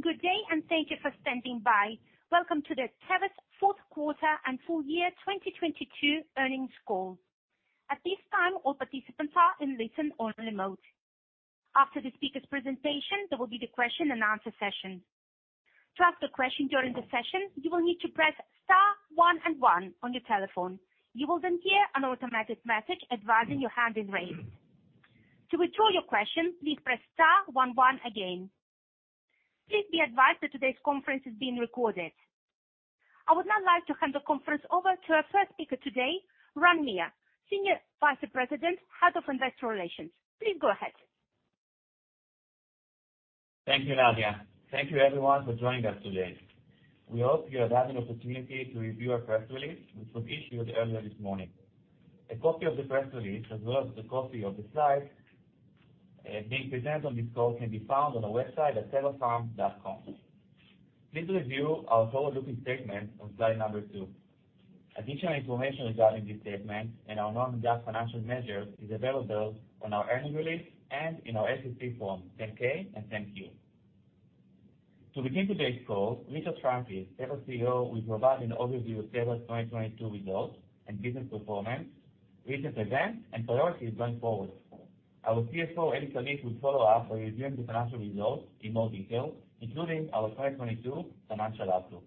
Good day, thank you for standing by. Welcome to Teva's Fourth Quarter and Full Year 2022 Earnings Call. At this time, all participants are in listen-only mode. After the speaker's presentation, there will be the question and answer session. To ask a question during the session, you will need to press star one one on your telephone. You will then hear an automatic message advising your hand is raised. To withdraw your question, please press star one one again. Please be advised that today's conference is being recorded. I would now like to hand the conference over to our first speaker today, Ran Meir, Senior Vice President, Head of Investor Relations. Please go ahead. Thank you, Nadia. Thank you everyone for joining us today. We hope you have had an opportunity to review our press release, which was issued earlier this morning. A copy of the press release, as well as a copy of the slides, being presented on this call, can be found on our website at tevapharm.com. Please review our forward-looking statement on slide two. Additional information regarding this statement and our non-GAAP financial measures is available on our earnings release and in our SEC form, 10-K and 10-Q. To begin today's call, Richard Francis, Teva's CEO, will provide an overview of Teva's 2022 results and business performance, recent events and priorities going forward. Our CFO, Eli Kalif, will follow up by reviewing the financial results in more detail, including our 2022 financial outlook.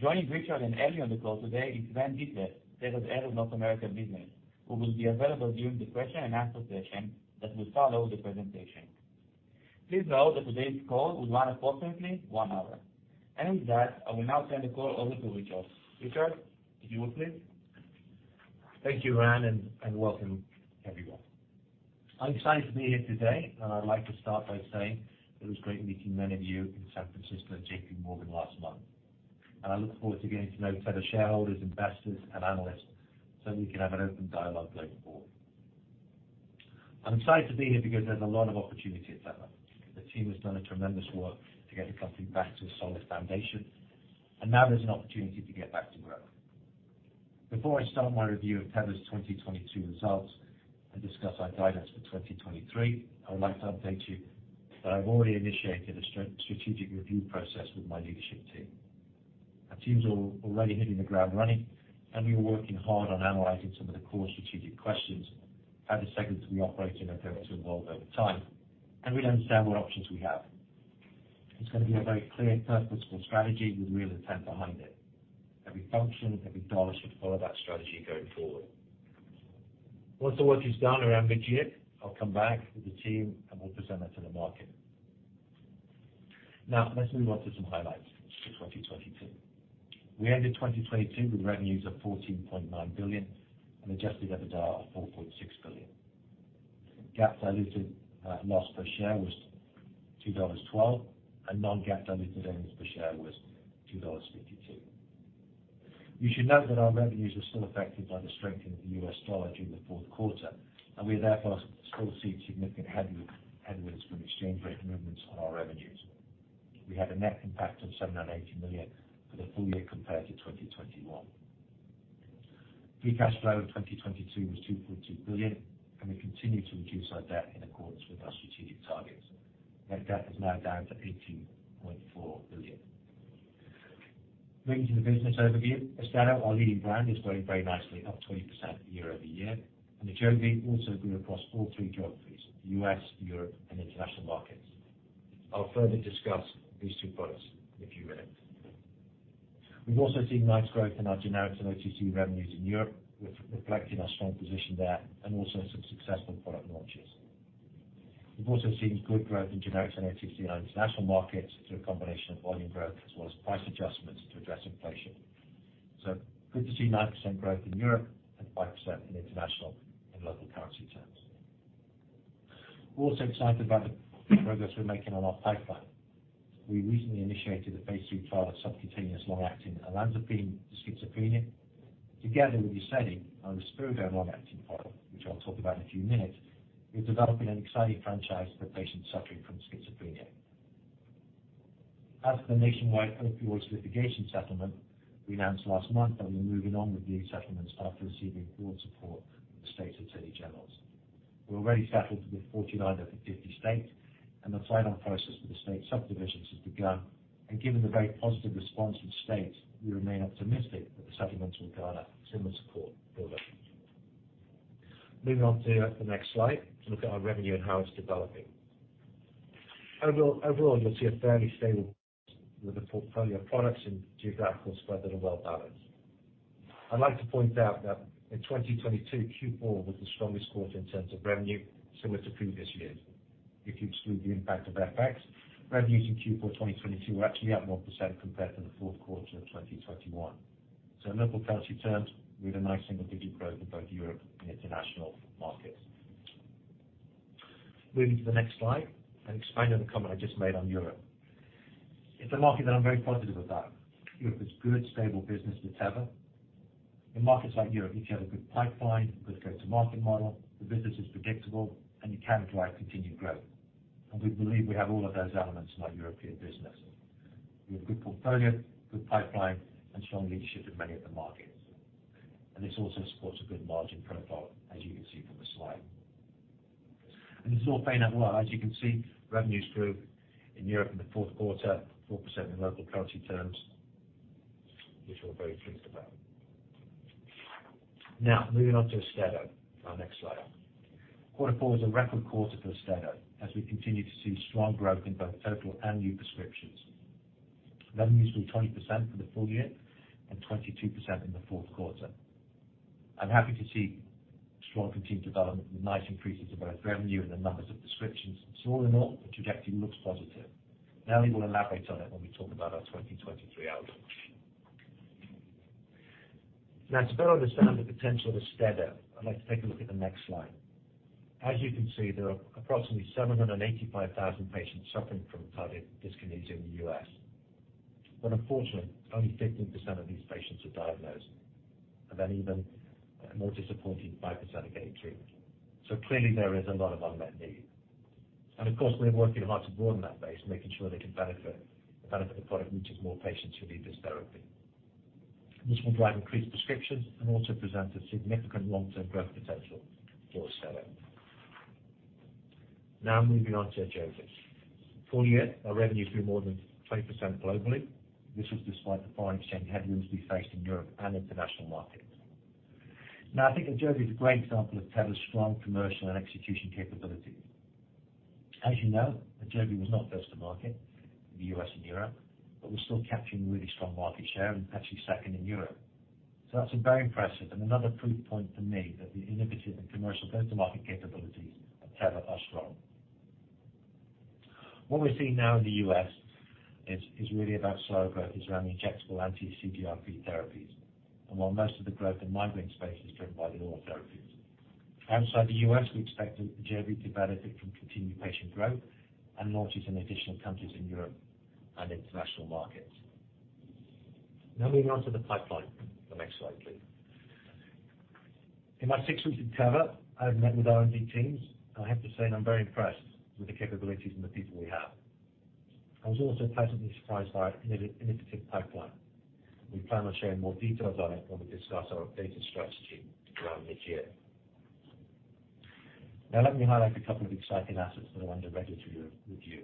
Joining Richard Francis and Eli Kalif on the call today is Sven Dethlefs, Teva's head of North America business, who will be available during the question and answer session that will follow the presentation. Please note that today's call will run approximately one hour. With that, I will now turn the call over to Richard Francis. Richard, if you would, please. Thank you, Ran, and welcome everyone. I'm excited to be here today. I'd like to start by saying it was great meeting many of you in San Francisco at JPMorgan last month. I look forward to getting to know Teva shareholders, investors, and analysts, so we can have an open dialogue going forward. I'm excited to be here because there's a lot of opportunity at Teva. The team has done a tremendous work to get the company back to a solid foundation. Now there's an opportunity to get back to growth. Before I start my review of Teva's 2022 results and discuss our guidance for 2023, I would like to update you that I've already initiated a strategic review process with my leadership team. Our team's already hitting the ground running, and we are working hard on analyzing some of the core strategic questions, how the segments we operate in are going to evolve over time, and we understand what options we have. It's gonna be a very clear, purposeful strategy with real intent behind it. Every function, every dollar should follow that strategy going forward. Once the work is done around mid-year, I'll come back with the team, and we'll present that to the market. Let's move on to some highlights for 2022. We ended 2022 with revenues of $14.9 billion and adjusted EBITDA of $4.6 billion. GAAP diluted loss per share was $2.12, and non-GAAP diluted earnings per share was $2.52. You should note that our revenues are still affected by the strength in the US dollar during the fourth quarter. We therefore still see significant headwinds from exchange rate movements on our revenues. We had a net impact of $7.8 million for the full year compared to 2021. Free cash flow in 2022 was $2.2 billion. We continue to reduce our debt in accordance with our strategic targets. Net debt is now down to $18.4 billion. Moving to the business overview. AUSTEDO, our leading brand, is growing very nicely, up 20% year-over-year. AJOVY also grew across all three geographies, U.S., Europe and international markets. I'll further discuss these two products in a few minutes. We've also seen nice growth in our generics and OTC revenues in Europe, reflecting our strong position there and also some successful product launches. We've also seen good growth in generics and OTC in our international markets through a combination of volume growth as well as price adjustments to address inflation. Good to see 9% growth in Europe and 5% in international in local currency terms. We're also excited about the progress we're making on our pipeline. We recently initiated a phase III trial of subcutaneous long-acting olanzapine schizophrenia. Together with UZEDY on risperidone long-acting product, which I'll talk about in a few minutes, we're developing an exciting franchise for patients suffering from schizophrenia. The nationwide opioids litigation settlement we announced last month that we're moving on with these settlements after receiving broad support from the state attorneys general. We already settled with 49 out of the 50 states, the final process for the state subdivisions has begun. Given the very positive response from states, we remain optimistic that the settlements will garner similar support forward. Moving on to the next slide to look at our revenue and how it's developing. Overall, you'll see a fairly stable with a portfolio of products in geographical spread that are well balanced. I'd like to point out that in 2022, Q4 was the strongest quarter in terms of revenue similar to previous years. If you exclude the impact of FX, revenues in Q4 2022 were actually up 1% compared to the fourth quarter of 2021. In local currency terms, we had a nice single-digit growth in both Europe and international markets. Moving to the next slide and expanding on the comment I just made on Europe. It's a market that I'm very positive about. Europe is good, stable business with Teva. In markets like Europe, if you have a good pipeline, good go-to market model, the business is predictable, you can drive continued growth. We believe we have all of those elements in our European business. We have good portfolio, good pipeline, strong leadership in many of the markets. This also supports a good margin profile, as you can see from the slide. This is all paying out well. As you can see, revenues grew in Europe in the fourth quarter, 4% in local currency terms, which we're very pleased about. Moving on to AUSTEDO, our next slide. Quarter four was a record quarter for AUSTEDO, as we continue to see strong growth in both total and new prescriptions. Revenues grew 20% for the full year and 22% in the fourth quarter. I'm happy to see strong continued development, nice increases of both revenue and the numbers of prescriptions. All in all, the trajectory looks positive. We will elaborate on it when we talk about our 2023 outlook. To better understand the potential of AUSTEDO, I'd like to take a look at the next slide. As you can see, there are approximately 785,000 patients suffering from tardive dyskinesia in the U.S. Unfortunately, only 15% of these patients are diagnosed, and an even more disappointing 5% are getting treated. Clearly there is a lot of unmet need. Of course, we are working hard to broaden that base, making sure they can benefit the product, reaching more patients who need this therapy. This will drive increased prescriptions and also present a significant long-term growth potential for AUSTEDO. Moving on to AJOVY. Full year, our revenue grew more than 20% globally. This was despite the foreign exchange headwinds we faced in Europe and international markets. I think AJOVY is a great example of Teva's strong commercial and execution capability. As you know, AJOVY was not first to market in the U.S. and Europe, we're still capturing really strong market share and actually second in Europe. That's very impressive and another proof point for me that the innovative and commercial go-to-market capabilities of Teva are strong. What we're seeing now in the U.S. is really about slow growth around the injectable anti-CGRP therapies. While most of the growth in migraine space is driven by the oral therapies. Outside the U.S., we expect AJOVY to benefit from continued patient growth and launches in additional countries in Europe and international markets. Moving on to the pipeline. The next slide, please. In my six months at Teva, I have met with R&D teams, and I have to say that I'm very impressed with the capabilities and the people we have. I was also pleasantly surprised by an innovative pipeline. We plan on sharing more details on it when we discuss our updated strategy around mid-year. Let me highlight a couple of exciting assets that are under regulatory re-review.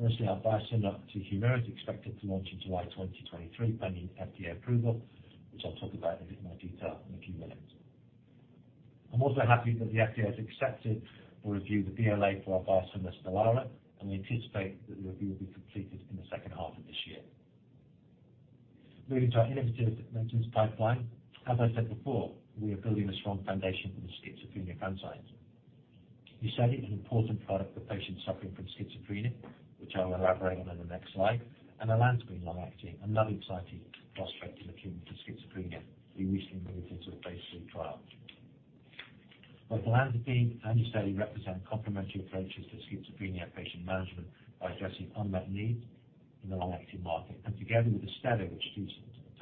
Firstly, our biosimilar to HUMIRA is expected to launch in July 2023, pending FDA approval, which I'll talk about in a bit more detail in a few minutes. I'm also happy that the FDA has accepted or reviewed the BLA for our biosimilar STELARA, and we anticipate that the review will be completed in the second half of this year. Moving to our innovative medicines pipeline. As I said before, we are building a strong foundation for the schizophrenia franchise. Yesenia is an important product for patients suffering from schizophrenia, which I'll elaborate on the next slide. olanzapine long-acting, another exciting prospect in the treatment of schizophrenia we recently moved into a phase III trial. Both olanzapine and Yesenia represent complementary approaches to schizophrenia patient management by addressing unmet needs in the long-acting market. Together with AUSTEDO, which treats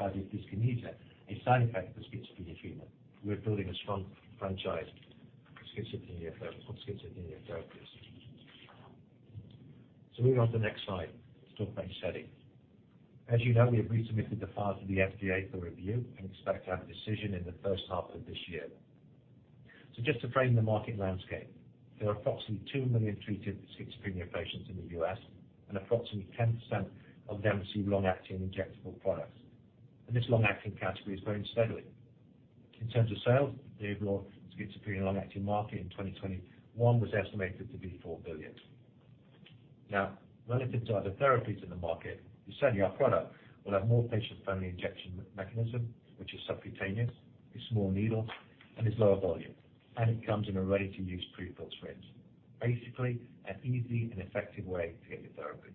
tardive dyskinesia, a side effect of schizophrenia treatment, we're building a strong franchise on schizophrenia therapies. Moving on to the next slide to talk about Yesenia. As you know, we have resubmitted the files to the FDA for review and expect to have a decision in the first half of this year. Just to frame the market landscape, there are approximately two million treated schizophrenia patients in the U.S., and approximately 10% of them receive long-acting injectable products. This long-acting category is growing steadily. In terms of sales, the overall schizophrenia long-acting market in 2021 was estimated to be $4 billion. Relative to other therapies in the market, Yesenia, our product, will have more patient-friendly injection mechanism, which is subcutaneous, a small needle, and is lower volume. It comes in a ready-to-use pre-filled syringe. Basically, an easy and effective way to get your therapy.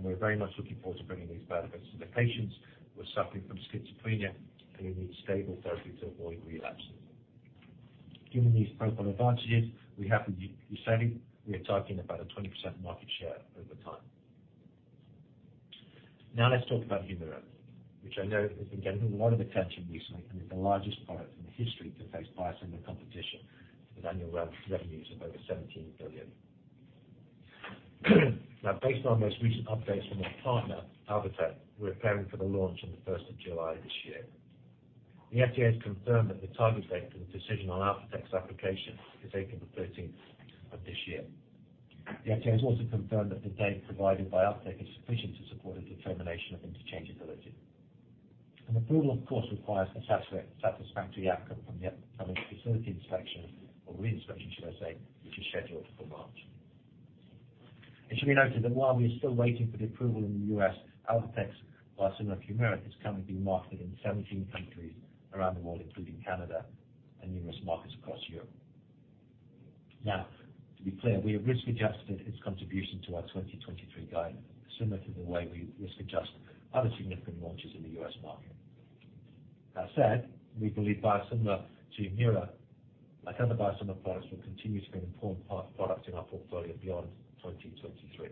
We're very much looking forward to bringing these benefits to the patients who are suffering from schizophrenia, and who need stable therapy to avoid relapses. Given these profile advantages, we're happy with Yesenia. We are talking about a 20% market share over time. Let's talk about HUMIRA, which I know has been getting a lot of attention recently and is the largest product in the history to face biosimilar competition with annual revenues of over $17 billion. Based on most recent updates from our partner, Alvotech, we're preparing for the launch on the 1st of July this year. The FDA has confirmed that the target date for the decision on Alvotech's application is April 13th of this year. The FDA has also confirmed that the data provided by Alvotech is sufficient to support a determination of interchangeability. An approval, of course, requires a satisfactory outcome from a facility inspection or re-inspection, should I say, which is scheduled for March. It should be noted that while we are still waiting for the approval in the U.S., Alvotech's biosimilar HUMIRA is currently being marketed in 17 countries around the world, including Canada and numerous markets across Europe. To be clear, we have risk-adjusted its contribution to our 2023 guidance, similar to the way we risk-adjust other significant launches in the U.S. market. That said, we believe biosimilar to HUMIRA and other biosimilar products will continue to be an important pro-product in our portfolio beyond 2023.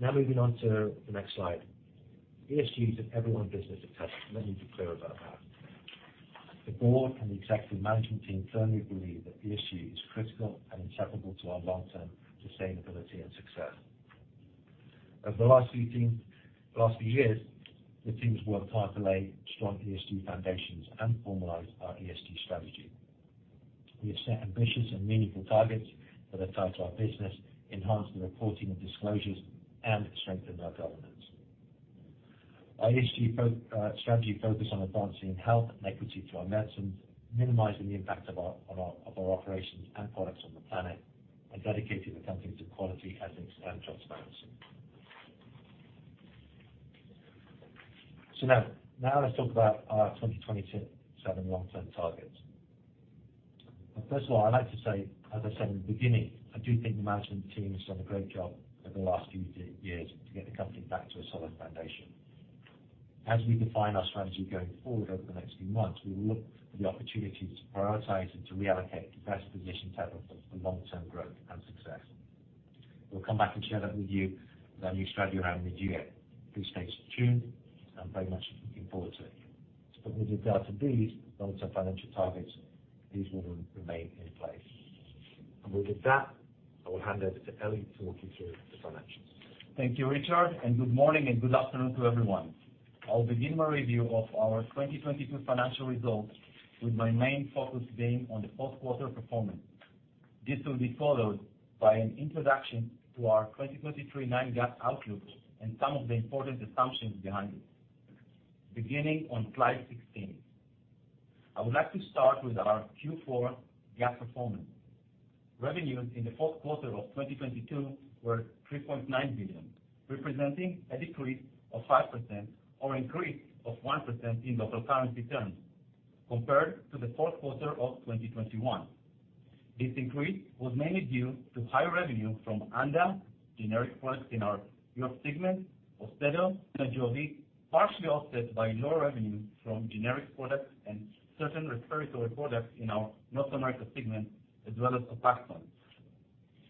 Moving on to the next slide. ESG is everyone's business at Teva. Let me be clear about that. The board and the executive management team firmly believe that the issue is critical and acceptable to our long-term sustainability and success. Over the last few years, the teams worked hard to lay strong ESG foundations and formalize our ESG strategy. We have set ambitious and meaningful targets that are tied to our business, enhance the reporting of disclosures, and strengthen our governance. Our ESG strategy focus on advancing health and equity through our medicines, minimizing the impact of our operations and products on the planet, and dedicating the company to quality, ethics, and transparency. Now let's talk about our 2027 long-term targets. First of all, I'd like to say, as I said in the beginning, I do think the management team has done a great job over the last few years to get the company back to a solid foundation. As we define our strategy going forward over the next few months, we will look for the opportunities to prioritize and to reallocate to best position Teva for long-term growth and success. We'll come back and share that with you with our new strategy around mid-year. Please stay tuned. I'm very much looking forward to it. With regard to these long-term financial targets, these will re-remain in place. With that, I will hand over to Eli to walk you through the financials. Thank you, Richard. Good morning and good afternoon to everyone. I'll begin my review of our 2022 financial results, with my main focus being on the fourth quarter performance. This will be followed by an introduction to our 2023 non-GAAP outlook and some of the important assumptions behind it. Beginning on slide 16. I would like to start with our Q4 GAAP performance. Revenues in the fourth quarter of 2022 were $3.9 billion, representing a decrease of 5% or increase of 1% in local currency terms compared to the fourth quarter of 2021. This increase was mainly due to higher revenue from ANDA generic products in our Europe segment, AUSTEDO, and AJOVY, partially offset by lower revenue from generic products and certain respiratory products in our North America segment, as well as COPAXONE.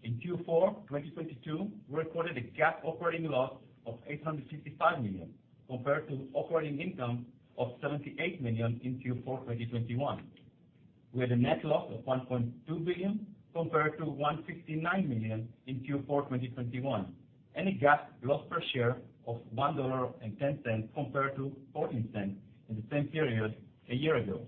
In Q4 2022, we recorded a GAAP operating loss of $855 million compared to operating income of $78 million in Q4 2021. We had a net loss of $1.2 billion compared to $169 million in Q4 2021, and a GAAP loss per share of $1.10 compared to $0.14 in the same period a year ago.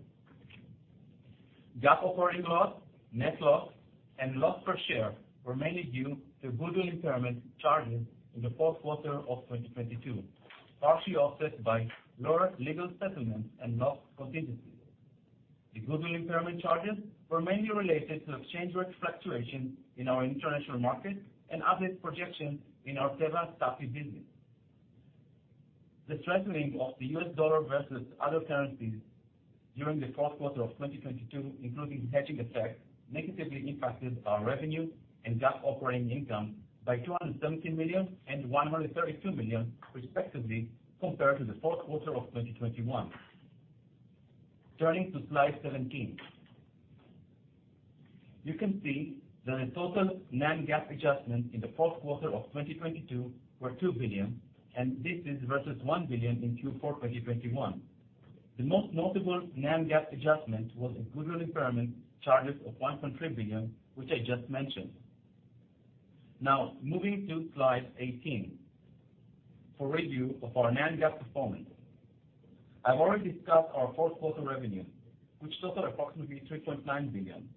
GAAP operating loss, net loss, and loss per share were mainly due to goodwill impairment charges in the fourth quarter of 2022, partially offset by lower legal settlements and loss contingencies. The goodwill impairment charges were mainly related to exchange rate fluctuations in our international markets and update projections in our Teva TAPI business. The strengthening of the U.S. dollar versus other currencies during the fourth quarter of 2022, including hedging effects, negatively impacted our revenue and GAAP operating income by $217 million and $132 million, respectively, compared to the fourth quarter of 2021. Turning to slide 17. You can see that the total non-GAAP adjustments in the fourth quarter of 2022 were $2 billion, and this is versus $1 billion in Q4 2021. The most notable non-GAAP adjustment was a goodwill impairment charges of $1.3 billion, which I just mentioned. Moving to slide 18 for review of our non-GAAP performance. I've already discussed our fourth quarter revenue, which totaled approximately $3.9 billion.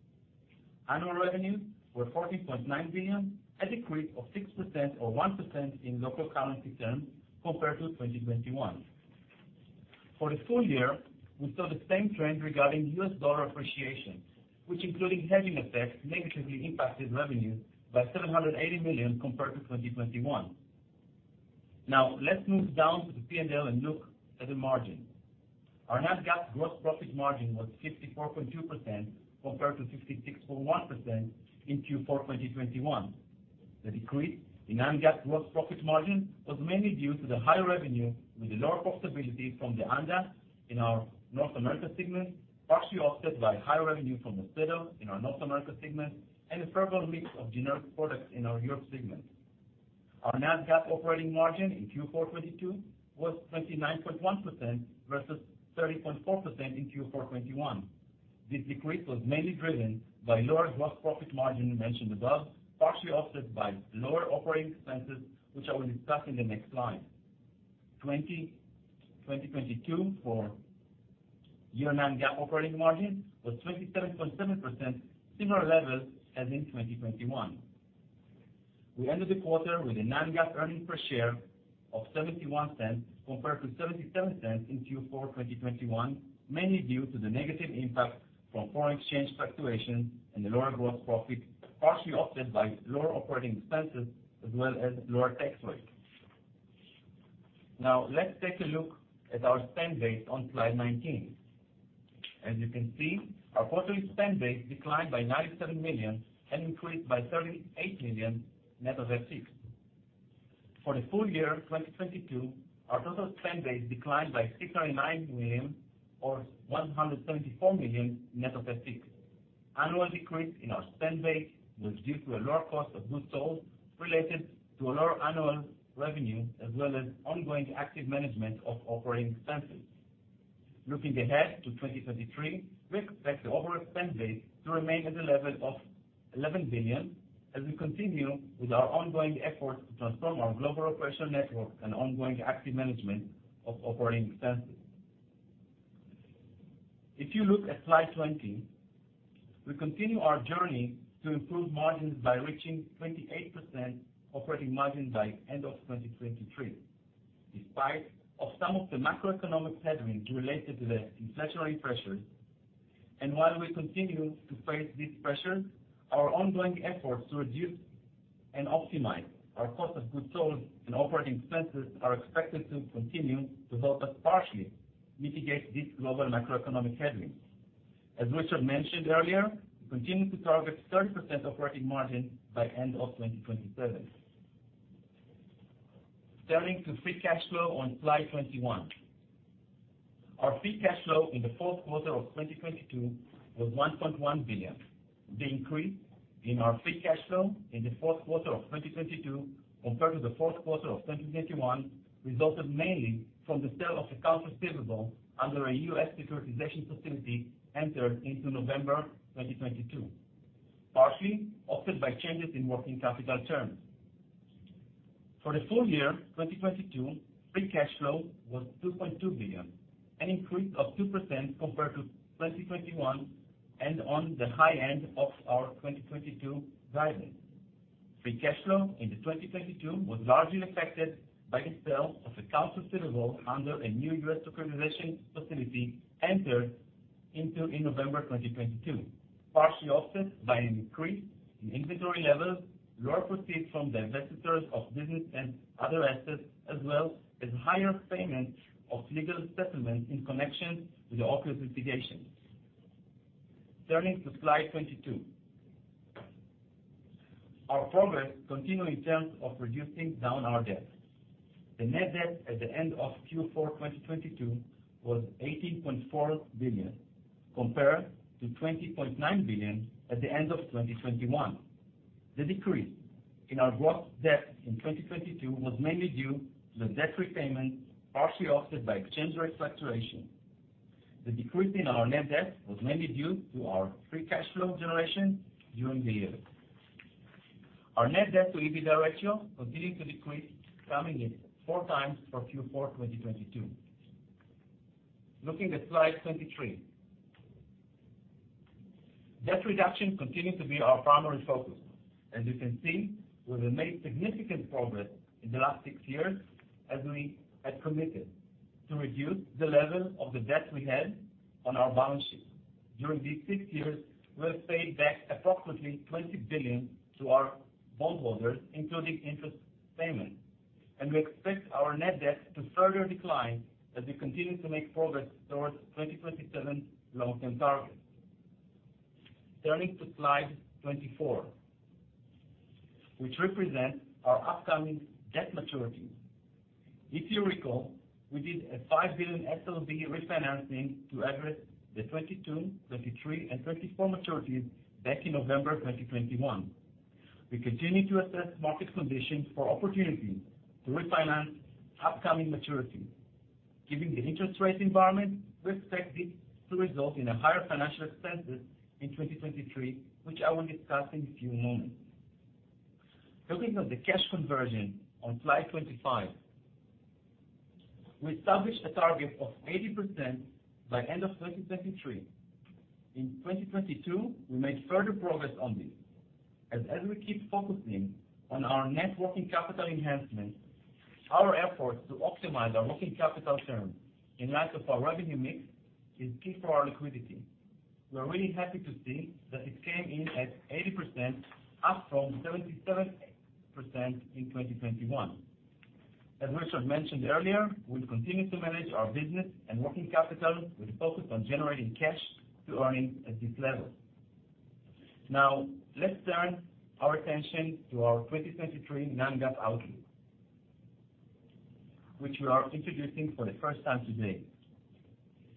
Annual revenues were $14.9 billion, a decrease of 6% or 1% in local currency terms compared to 2021. For the full year, we saw the same trend regarding U.S. dollar appreciation, which including hedging effects, negatively impacted revenue by $780 million compared to 2021. Let's move down to the P&L and look at the margin. Our non-GAAP gross profit margin was 64.2% compared to 66.1% in Q4 2021. The decrease in non-GAAP gross profit margin was mainly due to the higher revenue with the lower profitability from the ANDA in our North America segment, partially offset by higher revenue from AUSTEDO in our North America segment and a favorable mix of generic products in our Europe segment. Our non-GAAP operating margin in Q4 2022 was 29.1% versus 30.4% in Q4 2021. This decrease was mainly driven by lower gross profit margin mentioned above, partially offset by lower operating expenses, which I will discuss in the next slide. 2022 for year non-GAAP operating margin was 27.7%, similar levels as in 2021. We ended the quarter with a non-GAAP earnings per share of $0.71 compared to $0.77 in Q4 2021, mainly due to the negative impact from foreign exchange fluctuation and the lower gross profit, partially offset by lower operating expenses as well as lower tax rate. Let's take a look at our spend base on slide 19. As you can see, our quarterly spend base declined by $97 million and increased by $38 million net of FX. For the full year 2022, our total spend base declined by $699 million or $174 million net of FX. Annual decrease in our spend base was due to a lower cost of goods sold related to a lower annual revenue, as well as ongoing active management of operating expenses. Looking ahead to 2023, we expect the overall spend base to remain at the level of $11 billion as we continue with our ongoing efforts to transform our global operational network and ongoing active management of operating expenses. If you look at slide 20, we continue our journey to improve margins by reaching 28% operating margin by end of 2023, despite of some of the macroeconomic headwinds related to the inflationary pressures. While we continue to face this pressure, our ongoing efforts to reduce and optimize our cost of goods sold and operating expenses are expected to continue to help us partially mitigate these global macroeconomic headwinds. As Richard mentioned earlier, we continue to target 30% operating margin by end of 2027. Turning to free cash flow on slide 21. Our free cash flow in the fourth quarter of 2022 was $1.1 billion. The increase in our free cash flow in the fourth quarter of 2022 compared to the fourth quarter of 2021 resulted mainly from the sale of accounts receivable under a U.S. securitization facility entered into November 2022. Partially offset by changes in working capital terms. For the full year 2022, free cash flow was $2.2 billion, an increase of 2% compared to 2021, and on the high end of our 2022 guidance. Free cash flow into 2022 was largely affected by the sale of accounts receivable under a new U.S. securitization facility entered into in November 2022. Partially offset by an increase in inventory levels, lower proceeds from the divestitures of business and other assets, as well as higher payments of legal settlements in connection with the Opioid litigation. Turning to slide 22. Our progress continue in terms of reducing down our debt. The net debt at the end of Q4 2022 was $18.4 billion compared to $20.9 billion at the end of 2021. The decrease in our gross debt in 2022 was mainly due to the debt repayment, partially offset by exchange rate fluctuation. The decrease in our net debt was mainly due to our free cash flow generation during the year. Our net debt to EBITDA ratio continued to decrease, coming in 4x for Q4 2022. Looking at slide 23. Debt reduction continued to be our primary focus. As you can see, we have made significant progress in the last 6 years as we had committed to reduce the level of the debt we had on our balance sheet. During these 6 years, we have paid back approximately $20 billion to our bondholders, including interest payments, and we expect our net debt to further decline as we continue to make progress towards the 2027 long-term target. Turning to slide 24, which represents our upcoming debt maturities. If you recall, we did a $5 billion SLB refinancing to address the 2022, 2023, and 2024 maturities back in November of 2021. We continue to assess market conditions for opportunities to refinance upcoming maturities. Given the interest rate environment, we expect this to result in a higher financial expenses in 2023, which I will discuss in a few moments. Looking at the cash conversion on slide 25. We established a target of 80% by end of 2023. In 2022, we made further progress on this. As we keep focusing on our net working capital enhancement, our efforts to optimize our working capital term in light of our revenue mix is key for our liquidity. We are really happy to see that it came in at 80%, up from 77% in 2021. As Richard mentioned earlier, we continue to manage our business and working capital with a focus on generating cash to earnings at this level. Let's turn our attention to our 2023 non-GAAP outlook, which we are introducing for the first time today.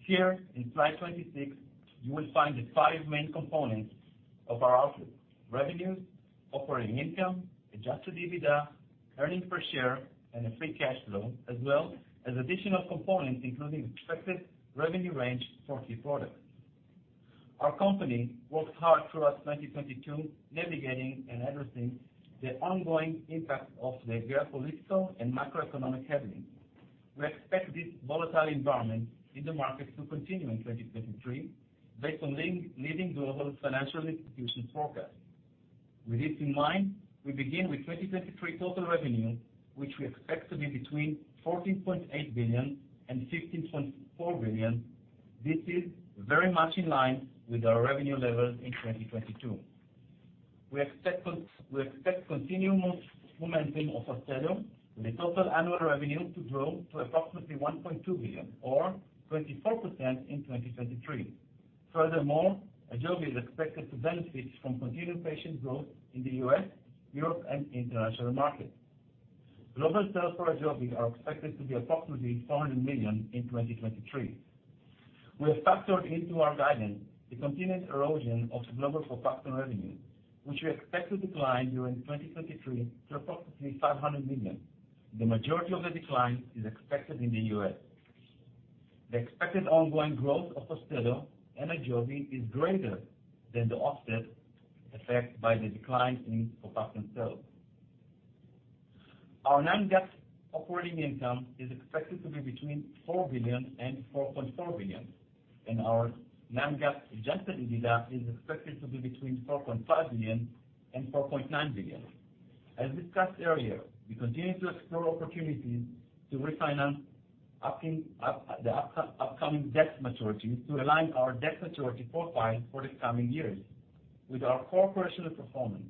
Here in slide 26, you will find the five main components of our outlook. Revenue, operating income, adjusted EBITDA, earnings per share, and the free cash flow, as well as additional components, including expected revenue range for key products. Our company worked hard throughout 2022, navigating and addressing the ongoing impact of the geopolitical and macroeconomic headwinds. We expect this volatile environment in the market to continue in 2023 based on leading global financial institutions forecast. We begin with 2023 total revenue, which we expect to be between $14.8 billion and $15.4 billion. This is very much in line with our revenue levels in 2022. We expect continued momentum of AUSTEDO, with total annual revenue to grow to approximately $1.2 billion or 24% in 2023. AJOVY is expected to benefit from continued patient growth in the U.S., Europe, and international markets. Global sales for AJOVY are expected to be approximately $400 million in 2023. We have factored into our guidance the continued erosion of global Forfida revenue, which we expect to decline during 2023 to approximately $500 million. The majority of the decline is expected in the U.S. The expected ongoing growth of Austedo and AJOVY is greater than the offset effect by the decline in Forfida sales. Our non-GAAP operating income is expected to be between $4 billion and $4.4 billion, and our non-GAAP adjusted EBITDA is expected to be between $4.5 billion and $4.9 billion. As discussed earlier, we continue to explore opportunities to refinance upcoming debt maturities to align our debt maturity profile for the coming years. With our core operational performance,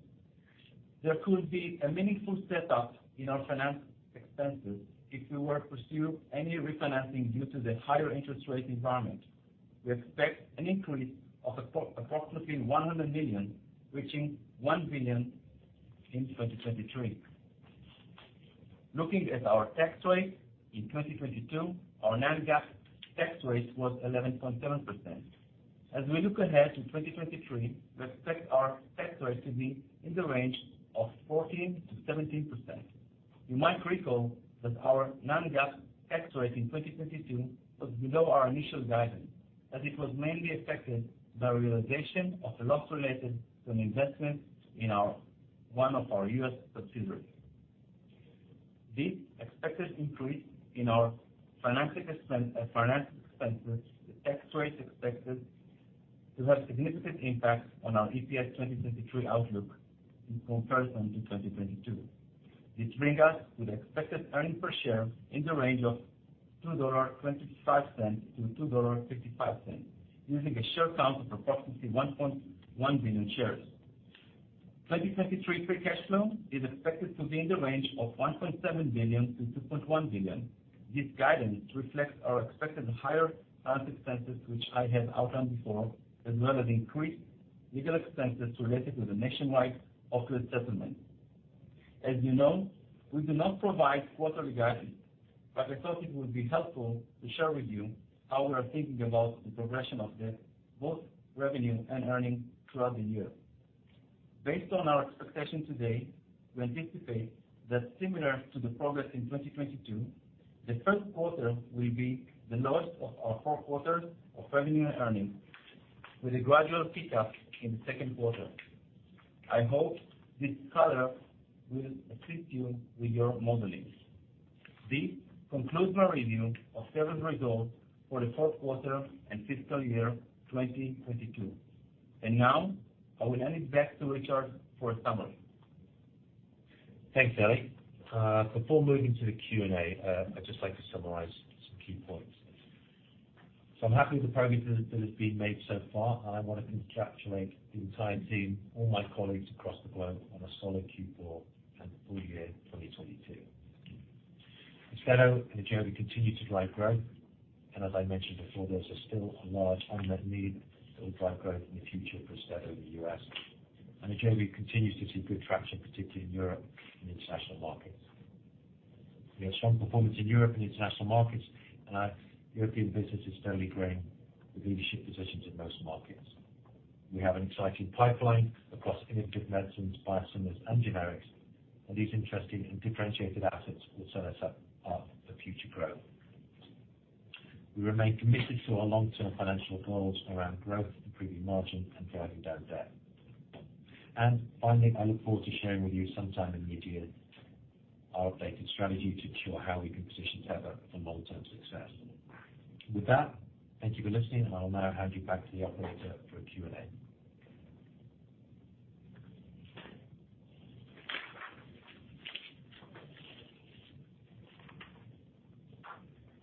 there could be a meaningful step-up in our finance expenses if we were to pursue any refinancing due to the higher interest rate environment. We expect an increase of approximately $100 million, reaching $1 billion in 2023. Looking at our tax rate, in 2022, our non-GAAP tax rate was 11.7%. As we look ahead to 2023, we expect our tax rate to be in the range of 14%-17%. You might recall that our non-GAAP tax rate in 2022 was below our initial guidance, as it was mainly affected by realization of the loss related to an investment in one of our U.S. subsidiaries. This expected increase in our financial expenses, the tax rate is expected to have significant impact on our EPS 2023 outlook in comparison to 2022. This brings us to the expected earnings per share in the range of $2.25-$2.55, using a share count of approximately 1.1 billion shares. 2023 free cash flow is expected to be in the range of $1.7 billion-$2.1 billion. This guidance reflects our expected higher finance expenses, which I have outlined before, as well as increased legal expenses related to the nationwide opioid settlement. As you know, we do not provide quarterly guidance, but I thought it would be helpful to share with you how we are thinking about the progression of the both revenue and earnings throughout the year. Based on our expectation today, we anticipate that similar to the progress in 2022, the first quarter will be the lowest of our four quarters of revenue earnings, with a gradual pick-up in the second quarter. I hope this color will assist you with your modelings. This concludes my review of Teva's results for the fourth quarter and fiscal year 2022. Now, I will hand it back to Richard for a summary. Thanks, Eli. Before moving to the Q&A, I'd just like to summarize some key points. I'm happy with the progress that has been made so far, and I wanna congratulate the entire team, all my colleagues across the globe on a solid Q4 and full year 2022. AUSTEDO and AJOVY continue to drive growth. As I mentioned before, there's still a large unmet need that will drive growth in the future for AUSTEDO in the U.S. AJOVY continues to see good traction, particularly in Europe and international markets. We have strong performance in Europe and international markets, and our European business is steadily growing with leadership positions in most markets. We have an exciting pipeline across innovative medicines, biosimilars, and generics, and these interesting and differentiated assets will set us up for future growth. We remain committed to our long-term financial goals around growth, improving margin, and driving down debt. Finally, I look forward to sharing with you sometime in mid-year our updated strategy to ensure how we can position Teva for long-term success. With that, thank you for listening, and I'll now hand you back to the operator for Q&A.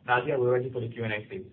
Nadia, we're ready for the Q&A please.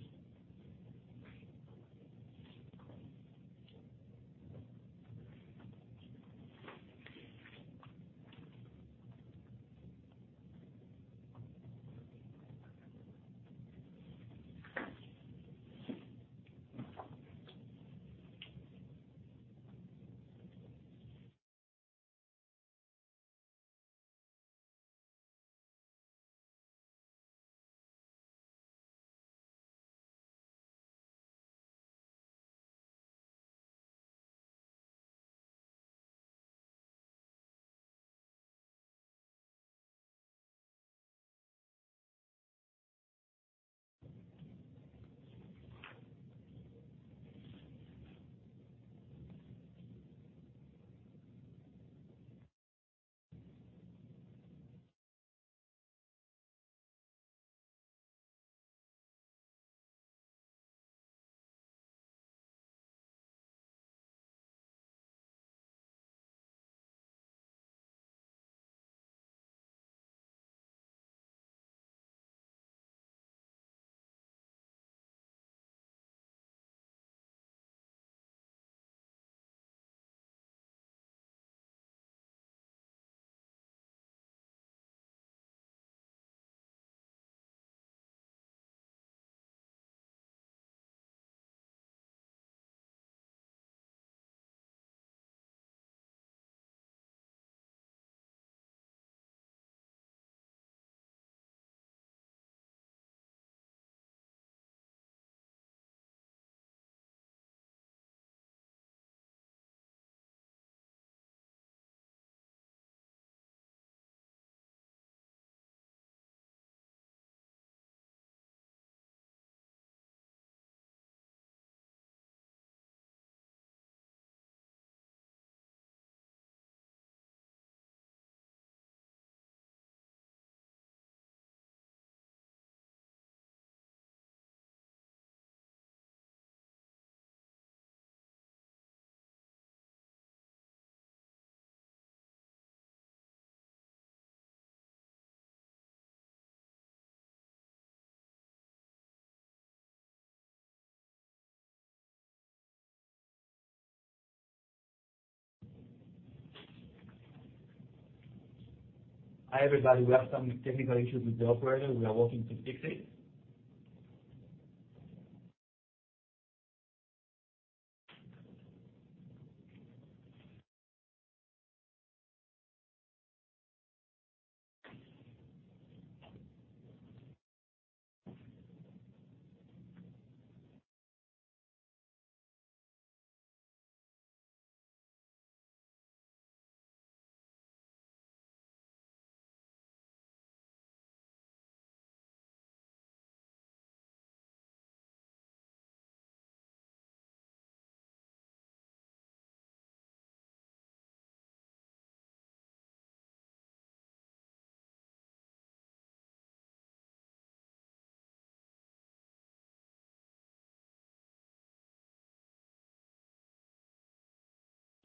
Hi, everybody. We have some technical issues with the operator. We are working to fix it.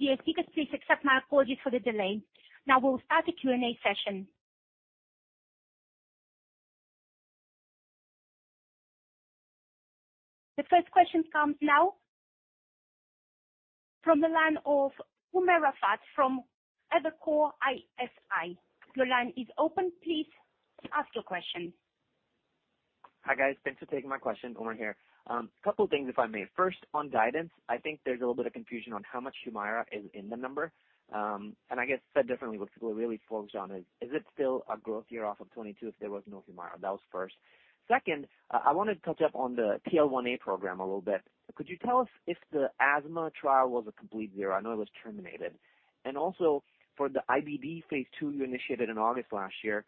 Yes. Speakers, please accept my apologies for the delay. We'll start the Q&A session. The first question comes now from the line of Umer Raffat from Evercore ISI. Your line is open. Please ask your question. Hi, guys. Thanks for taking my question. Umer here. Couple of things, if I may. First, on guidance, I think there's a little bit of confusion on how much HUMIRA is in the number. I guess said differently, what people are really focused on is it still a growth year off of 2022 if there was no HUMIRA? That was first. Second, I wanna touch up on the PL one A program a little bit. Could you tell us if the asthma trial was a complete zero? I know it was terminated. Also, for the IBD phase II you initiated in August last year,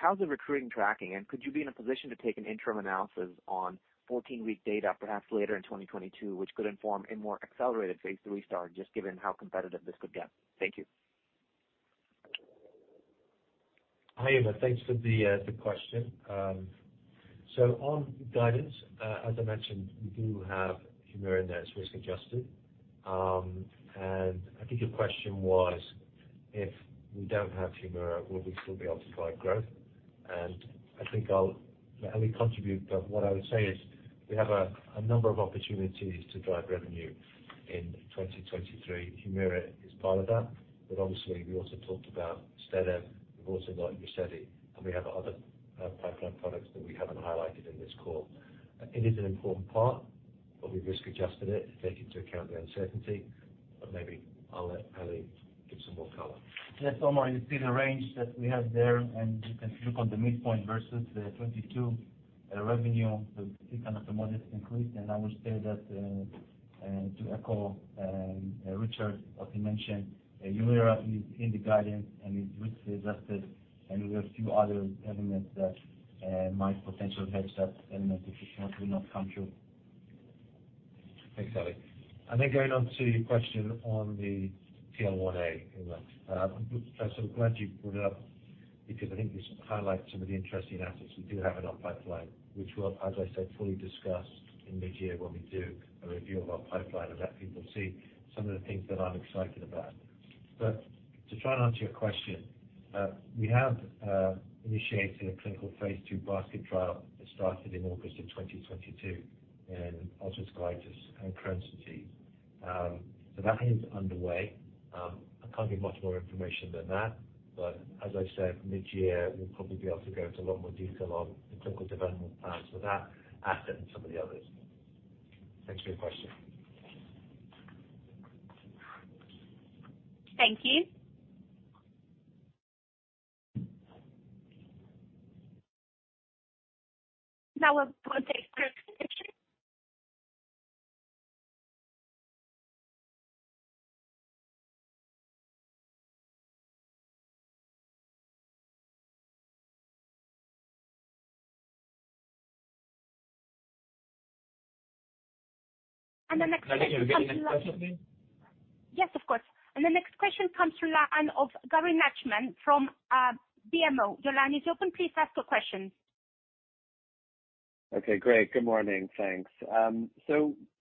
how's the recruiting tracking? Could you be in a position to take an interim analysis on 14-week data perhaps later in 2022, which could inform a more accelerated phase III start, just given how competitive this could get? Thank you. Hi, Umer. Thanks for the question. On guidance, as I mentioned, we do have HUMIRA in there. It's risk adjusted. I think your question was, if we don't have HUMIRA, will we still be able to drive growth? I think I'll let Eli contribute, but what I would say is we have a number of opportunities to drive revenue in 2023. HUMIRA is part of that, but obviously we also talked about Otezla. We've also got UZEDY, and we have other pipeline products that we haven't highlighted in this call. It is an important part, but we've risk adjusted it to take into account the uncertainty. Maybe I'll let Eli give some more color. Yes, Umer, you see the range that we have there, and you can look on the midpoint versus the 22 revenue. It's, kind of, a modest increase. I will say that, to echo Richard, what he mentioned, HUMIRA is in the guidance and is risk adjusted, and we have a few other elements that might potentially hedge that element if it does not come true. Thanks, Ali. Going on to your question on the PL1A, Umer. Glad you brought it up because I think this highlights some of the interesting assets we do have in our pipeline, which we'll, as I said, fully discuss in mid-year when we do a review of our pipeline and let people see some of the things that I'm excited about. To try and answer your question, we have initiated a clinical phase II basket trial that started in August of 2022 in ulcerative colitis and Crohn's disease. That is underway. I can't give much more information than that, as I said, mid-year, we'll probably be able to go into a lot more detail on the clinical development plans for that asset and some of the others. Thanks for your question. Thank you. Now we'll go to the next question. The next question comes from. Can I just repeat the next question please? Yes, of course. The next question comes from line of Gary Nachman from BMO. Your line is open. Please ask your question. Okay, great. Good morning. Thanks.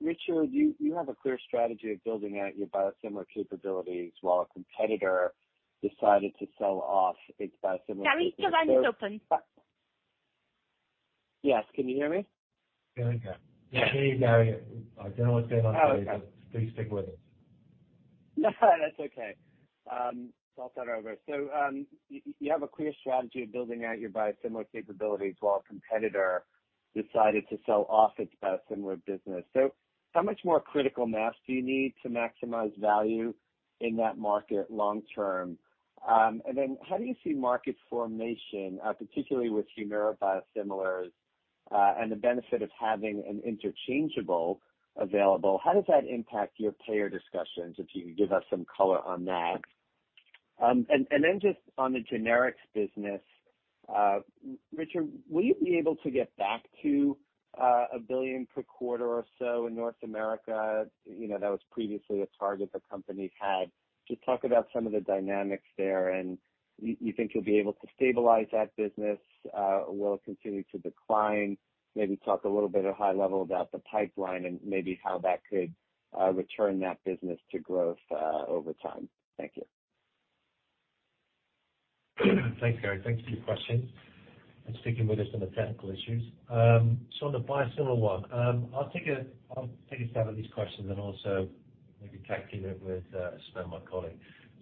Richard, you have a clear strategy of building out your biosimilar capabilities while a competitor decided to sell off its biosimilar business. Gavin, your line is open. Yes. Can you hear me? Yeah, we can. Can you hear me, Gary? I don't know what's going on here. Oh, okay. Please stick with us. That's okay. I'll start over. You have a clear strategy of building out your biosimilar capabilities while a competitor decided to sell off its biosimilar business. How much more critical mass do you need to maximize value in that market long term? How do you see market formation, particularly with HUMIRA biosimilars, and the benefit of having an interchangeable available? How does that impact your payer discussions, if you could give us some color on that? Just on the generics business, Richard, will you be able to get back to a $1 billion per quarter or so in North America? You know, that was previously a target the company had. Just talk about some of the dynamics there, and you think you'll be able to stabilize that business, will it continue to decline? Maybe talk a little bit at high level about the pipeline and maybe how that could return that business to growth over time. Thank you. Thanks, Gary. Thank you for your question and sticking with us on the technical issues. On the biosimilar one, I'll take a stab at these questions and also maybe tag team it with Sven, my colleague.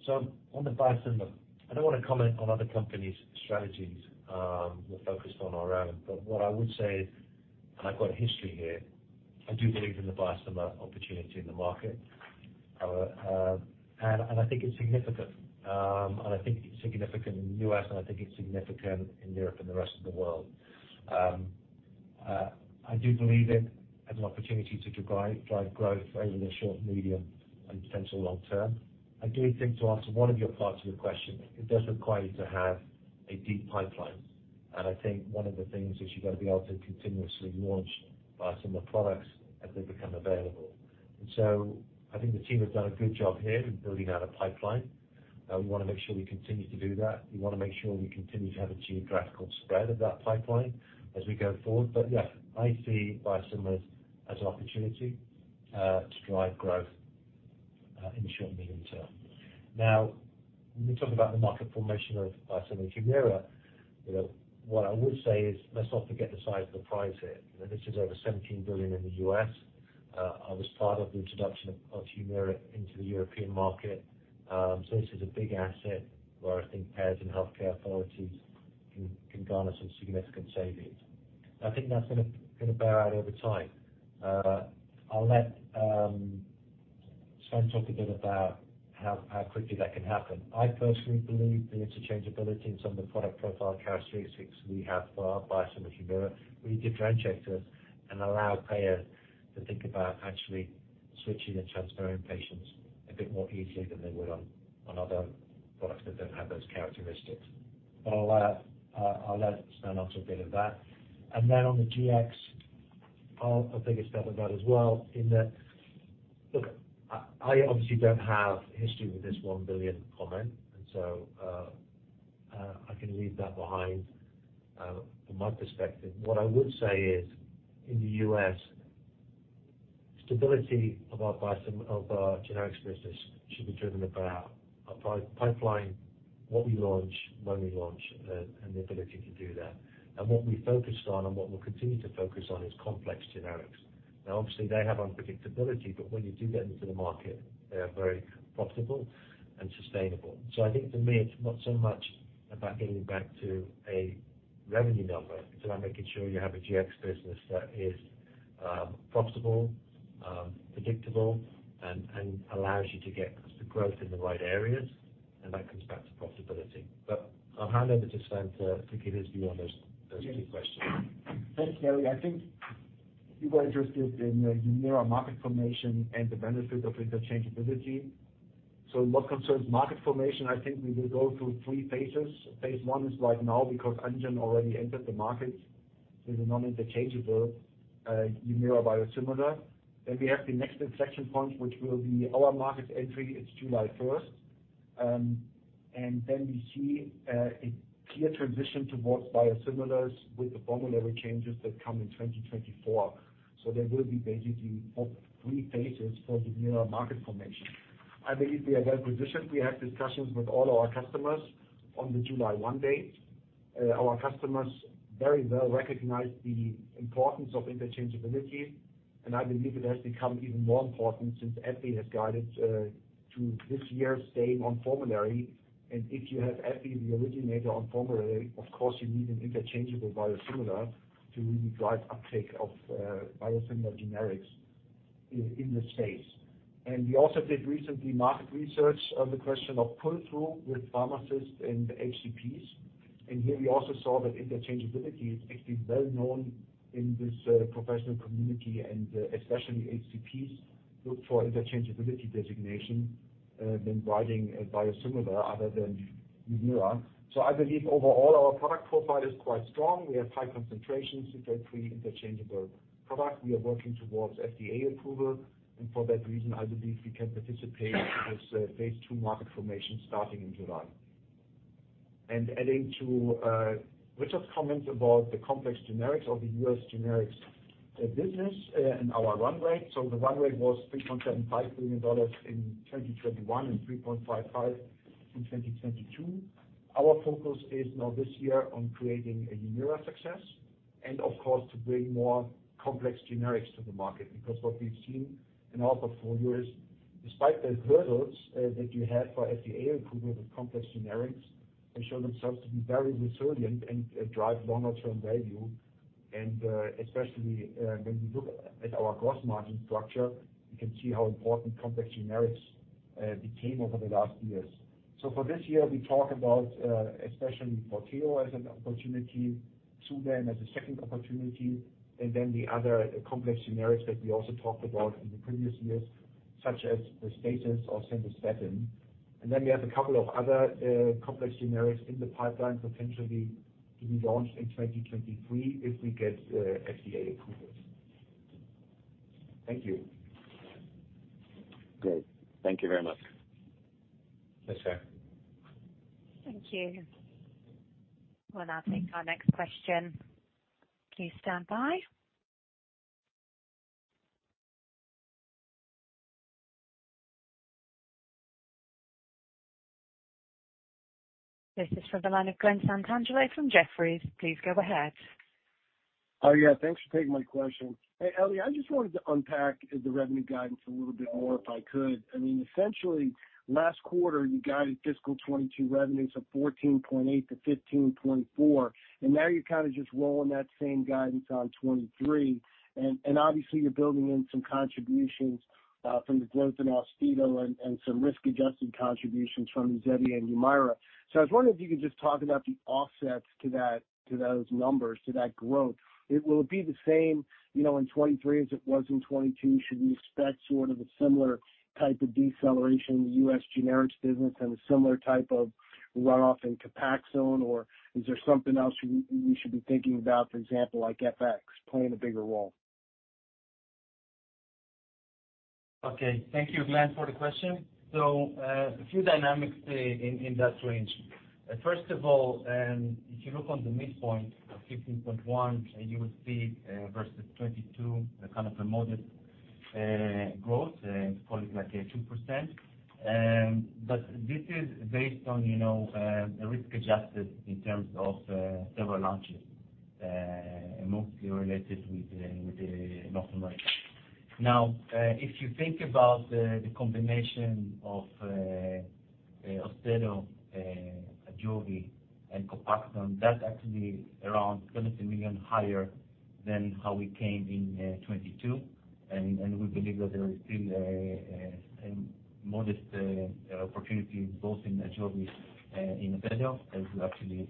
On the biosimilar, I don't wanna comment on other companies' strategies, we're focused on our own. What I would say, and I've got history here, I do believe in the biosimilar opportunity in the market. I think it's significant. I think it's significant in U.S., and I think it's significant in Europe and the rest of the world. I do believe it has an opportunity to drive growth over the short, medium, and potential long term. I do think, to answer one of your parts of your question, it does require you to have a deep pipeline. I think one of the things is you've got to be able to continuously launch biosimilar products as they become available. I think the team has done a good job here in building out a pipeline. We wanna make sure we continue to do that. We wanna make sure we continue to have a geographical spread of that pipeline as we go forward. Yeah, I see biosimilars as an opportunity to drive growth in the short, medium term. When we talk about the market formation of biosimilar HUMIRA, you know, what I would say is, let's not forget the size of the prize here. This is over $17 billion in the U.S. I was part of the introduction of HUMIRA into the European market. This is a big asset where I think payers and healthcare authorities can garner some significant savings. I think that's gonna bear out over time. I'll let Sven talk a bit about how quickly that can happen. I personally believe the interchangeability and some of the product profile characteristics we have for our biosimilar HUMIRA really differentiate us and allow payers to think about actually switching and transferring patients a bit more easily than they would on other products that don't have those characteristics. I'll let Sven answer a bit of that. On the GX, I'll take a stab at that as well in that, look, I obviously don't have history with this one billion comment, and so, I can leave that behind from my perspective. What I would say is, in the U.S., stability of our generics business should be driven by our pipeline, what we launch, when we launch, and the ability to do that. What we focused on and what we'll continue to focus on is complex generics. Now, obviously, they have unpredictability, but when you do get them to the market, they are very profitable and sustainable. I think for me, it's not so much about getting back to a revenue number, it's about making sure you have a GX business that is profitable, predictable, and allows you to get the growth in the right areas, and that comes back to profitability. I'll hand over to Sven to give his view on those key questions. Thanks, Gary. I think you are interested in the HUMIRA market formation and the benefit of interchangeability. In what concerns market formation, I think we will go through three phases. Phase I is right now because Amgen already entered the market with a non-interchangeable HUMIRA biosimilar. We have the next inflection point, which will be our market entry. It's July 1st. We see a clear transition towards biosimilars with the formulary changes that come in 2024. There will be basically, hope, three phases for HUMIRA market formation. I believe we are well-positioned. We have discussions with all our customers on the July 1 date. Our customers very well recognize the importance of interchangeability, and I believe it has become even more important since AbbVie has guided to this year's stay on formulary. If you have AbbVie, the originator, on formulary, of course you need an interchangeable biosimilar to really drive uptake of biosimilar generics in the space. We also did recently market research on the question of pull-through with pharmacists and HCPs. Here we also saw that interchangeability is actually well-known in this professional community, and especially HCPs look for interchangeability designation when writing a biosimilar other than HUMIRA. I believe overall our product profile is quite strong. We have high concentrations with a pre-interchangeable product. We are working towards FDA approval. For that reason, I believe we can participate with phase II market formation starting in July. Adding to Richard's comment about the complex generics of the U.S. generics business and our run rate. The run rate was $3.75 billion in 2021 and $3.55 billion in 2022. Our focus is now this year on creating a HUMIRA success. Of course, to bring more complex generics to the market, because what we've seen in our portfolio is despite the hurdles that you have for FDA approval of complex generics, they show themselves to be very resilient and drive longer-term value. Especially, when we look at our gross margin structure, you can see how important complex generics became over the last years. For this year, we talk about especially Forteo as an opportunity, Restasis as a second opportunity, then the other complex generics that we also talked about in the previous years, such as the Statex or Crestor. We have a couple of other, complex generics in the pipeline, potentially to be launched in 2023 if we get, FDA approvals. Thank you. Great. Thank you very much. Yes, sir. Thank you. We'll now take our next question. Please stand by. This is for the line of Glen Santangelo from Jefferies. Please go ahead. Oh, yeah. Thanks for taking my question. Hey, Eli, I just wanted to unpack the revenue guidance a little bit more, if I could. I mean, essentially last quarter, you guided fiscal 2022 revenues of $14.8 billion-$15.4 billion, and now you're kind of just rolling that same guidance on 2023. obviously you're building in some contributions from the growth in AUSTEDO and some risk-adjusted contributions from Simlandi and HUMIRA. I was wondering if you could just talk about the offsets to that, to those numbers, to that growth. Will it be the same, you know, in 2023 as it was in 2022? Should we expect sort of a similar type of deceleration U.S. generics business and a similar type of runoff in COPAXONE? Is there something else we should be thinking about, for example, like FX playing a bigger role? Okay. Thank you, Glen, for the question. A few dynamics in that range. First of all, if you look on the midpoint of 15.1, you will see versus 2022 a kind of a modest growth, calling it like a 2%. But this is based on, you know, a risk adjusted in terms of several launches, mostly related with North America. Now, if you think about the combination of AUSTEDO, AJOVY and COPAXONE, that's actually around $20 million higher than how we came in 2022. We believe that there is still a modest opportunity both in AJOVY and in AUSTEDO as we actually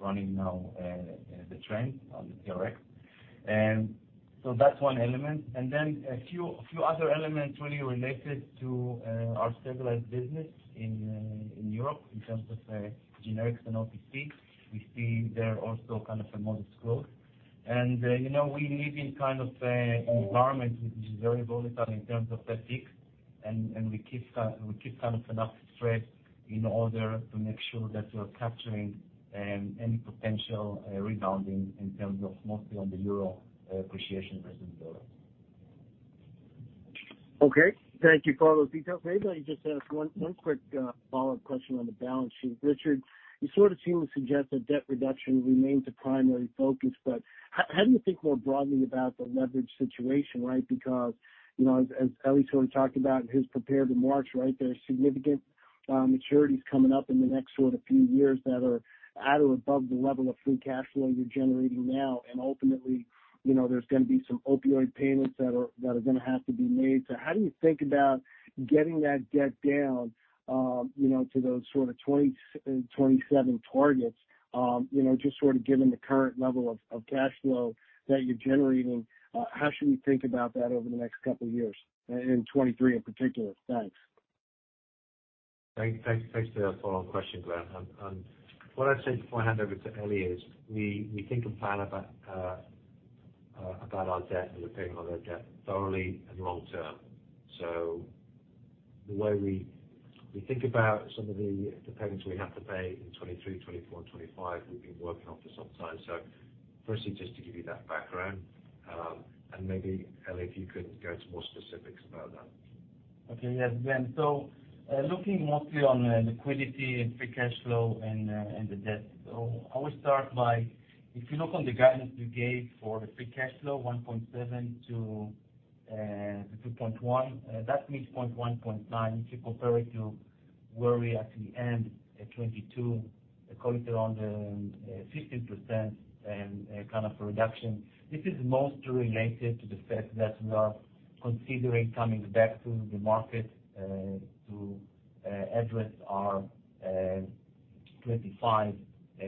running now the trend on the direct. That's one element. A few other elements really related to our stabilized business in Europe in terms of generics and OTC. We see there also kind of a modest growth. You know, we live in kind of a environment which is very volatile in terms of FX, and we keep kind of enough stress in order to make sure that we are capturing any potential rebounding in terms of mostly on the Euro appreciation as in Euro. Okay. Thank you for all those details. Maybe I'll just ask one quick follow-up question on the balance sheet. Richard, you sort of seem to suggest that debt reduction remains a primary focus, but how do you think more broadly about the leverage situation, right? You know, as Eli sort of talked about in his prepared remarks, right, there are significant maturities coming up in the next sort of few years that are at or above the level of free cash flow you're generating now. Ultimately, you know, there's gonna be some opioid payments that are gonna have to be made. How do you think about getting that debt down, you know, to those sort of 2027 targets? You know, just sort of given the current level of cash flow that you're generating, how should we think about that over the next couple of years, in 23 in particular? Thanks. Thanks for your follow-up question, Glen. What I'd say before I hand over to Eli is we think and plan about about our debt and the payment of our debt thoroughly and long term. The way we think about some of the payments we have to pay in 2023, 2024 and 2025, we've been working on for some time. Firstly, just to give you that background, and maybe, Eli, if you could go into more specifics about that. Okay. Yes, Glen. Looking mostly on liquidity and free cash flow and the debt. I will start by if you look on the guidance we gave for the free cash flow, $1.7-$2.1, that means point one point nine if you compare it to where we actually end at 2022, calling it around 15% kind of a reduction. This is mostly related to the fact that we are considering coming back to the market to address our 2025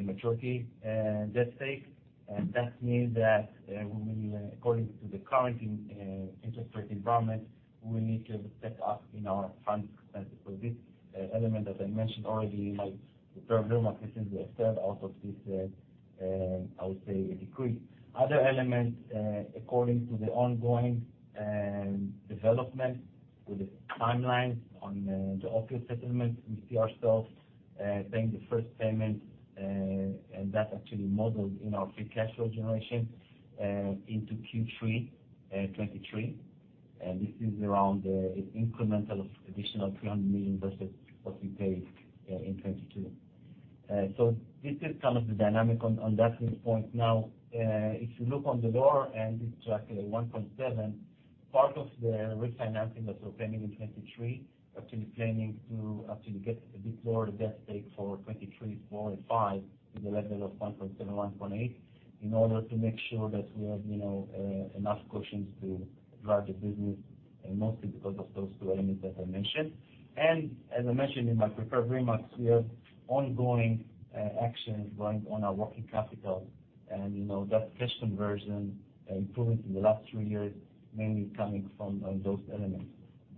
maturity debt stake. We will, according to the current interest rate environment, we need to step up in our funds for this element that I mentioned already in my prepared remarks. This is the third out of this, I would say decree. Other elements, according to the ongoing development with the timeline on the opioid settlement, we see ourselves paying the first payment, and that actually modeled in our free cash flow generation into Q3 2023. This is around an incremental of additional $300 million versus what we paid in 2022. So this is some of the dynamic on that viewpoint. If you look on the lower end, it's actually 1.7, part of the refinancing that we're planning in 2023, actually planning to actually get a bit lower debt take for 2023, 2024, and 2025 to the level of 1.7, 1.8 in order to make sure that we have, you know, enough cushions to drive the business and mostly because of those two elements that I mentioned. As I mentioned in my prepared remarks, we have ongoing actions going on our working capital. You know, that cash conversion improvement in the last 3 years mainly coming from those elements.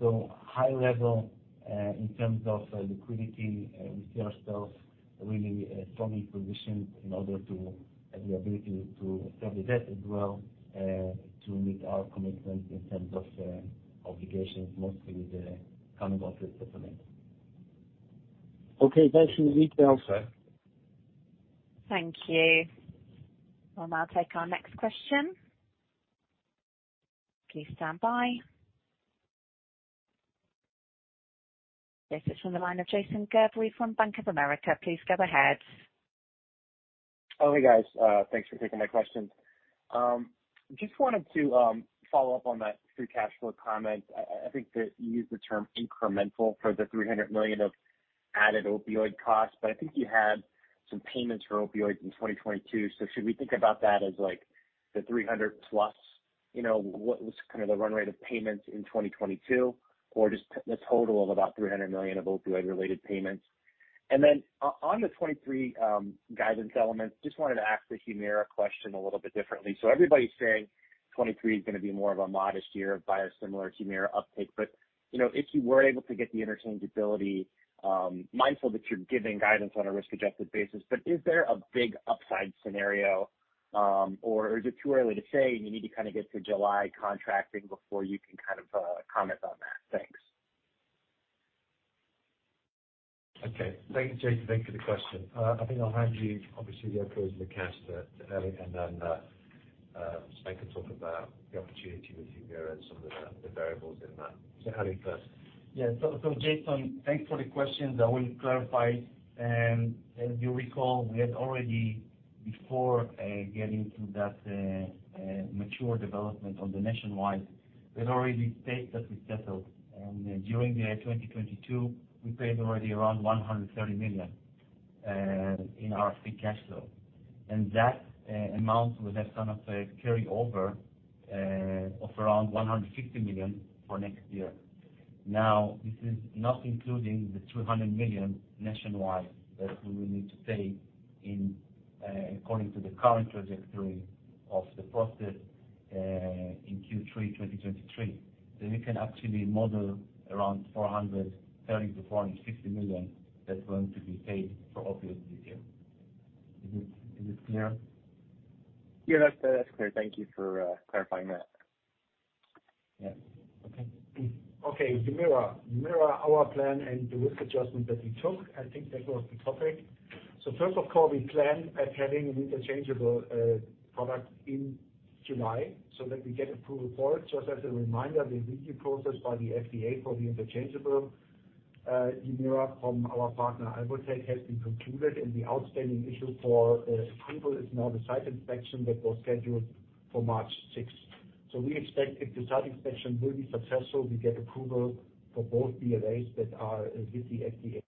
High level, in terms of liquidity, we see ourselves really strongly positioned in order to have the ability to serve the debt as well, to meet our commitments in terms of obligations, mostly the coming office settlement. Okay. Thanks for the details, sir. Thank you. We'll now take our next question. Please stand by. This is from the line of Jason Gerberry from Bank of America. Please go ahead. Hey, guys. Thanks for taking my questions. Just wanted to follow up on that free cash flow comment. I think that you used the term incremental for the $300 million of added opioid costs, but I think you had some payments for opioids in 2022. Should we think about that as like the $300 plus, you know, what was kind of the run rate of payments in 2022, or just the total of about $300 million of opioid-related payments? Then on the 2023 guidance elements, just wanted to ask the HUMIRA question a little bit differently. Everybody's saying 2023 is gonna be more of a modest year of biosimilar HUMIRA uptake. You know, if you were able to get the interchangeability, mindful that you're giving guidance on a risk-adjusted basis, but is there a big upside scenario, or is it too early to say, and you need to kinda get to July contracting before you can kind of, comment on that? Thanks. Okay. Thank you, Jason. Thank you for the question. I think I'll hand you obviously the approach to the cash to Eli, and then I can talk about the opportunity with HUMIRA and some of the variables in that. Eli first. Yeah. Jason, thanks for the question. I will clarify. As you recall, we had already before getting to that mature development on the Nationwide, we had already stated that we settled. And during 2022, we paid already around $130 million in our free cash flow. And that amount will have kind of a carryover of around $150 million for next year. Now, this is not including the $300 million Nationwide that we will need to pay according to the current trajectory of the process in Q3 2023. So you can actually model around $430 million-$450 million that's going to be paid for opioid this year. Is it clear? Yeah, that's clear. Thank you for clarifying that. Yeah. Okay. HUMIRA. Our plan and the risk adjustment that we took, I think that was the topic. First of all, we plan at having an interchangeable product in July so that we get approval for it. Just as a reminder, the review process by the FDA for the interchangeable HUMIRA from our partner, AbbVie, has been concluded, and the outstanding issue for approval is now the site inspection that was scheduled for March 6th. We expect if the site inspection will be successful, we get approval for both BLAs that are with the FDA.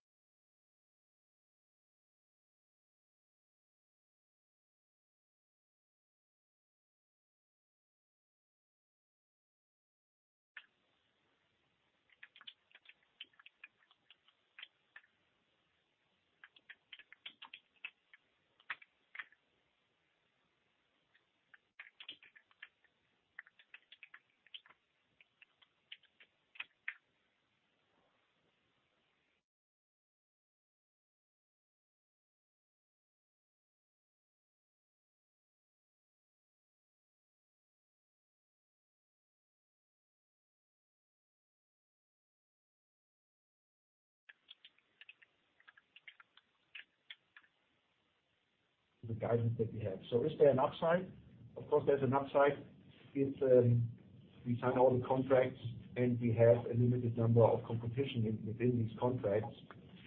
The guidance that we have. Is there an upside? Of course, there's an upside. It's, we sign all the contracts, and we have a limited number of competition within these contracts.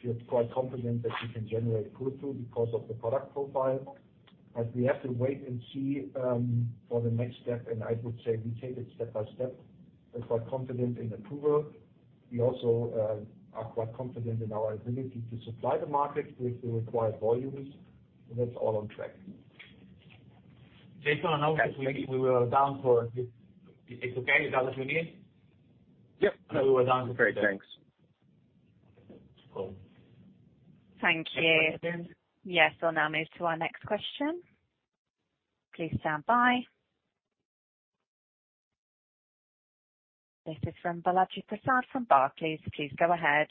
We are quite confident that we can generate pull-through because of the product profile. We have to wait and see, for the next step, and I would say we take it step by step. We're quite confident in approval. We also, are quite confident in our ability to supply the market with the required volumes, and that's all on track. Jason, Is it okay? Is that what you need? Yep. I know we were down. Great. Thanks. Cool. Thank you. Yes. We'll now move to our next question. Please stand by. This is from Balaji Prasad from Barclays. Please go ahead.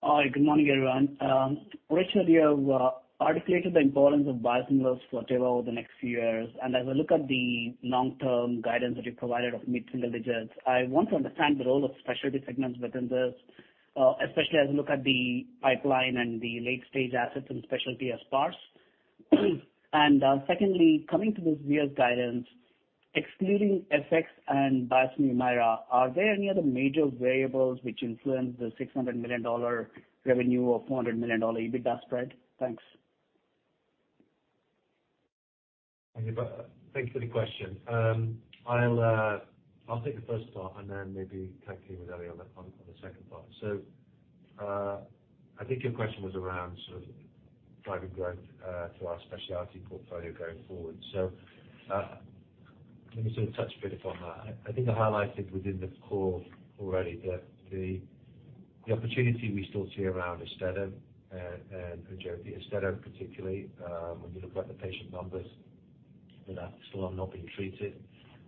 Hi. Good morning, everyone. Richard, you have articulated the importance of biosimilars for Teva over the next few years. As I look at the long-term guidance that you provided of mid-single digits, I want to understand the role of specialty segments within this, especially as you look at the pipeline and the late-stage assets in specialty as sparse. Secondly, coming to this year's guidance, excluding FX and biosimilar HUMIRA, are there any other major variables which influence the $600 million revenue or $400 million EBITDA spread? Thanks. Thank you for the question. I'll take the first part and then maybe tag team with Eli on the second part. I think your question was around sort of driving growth to our specialty portfolio going forward. Let me sort of touch a bit upon that. I think I highlighted within the call already that the opportunity we still see around AUSTEDO and AJOVY, AUSTEDO particularly, when you look at the patient numbers that are still have not been treated,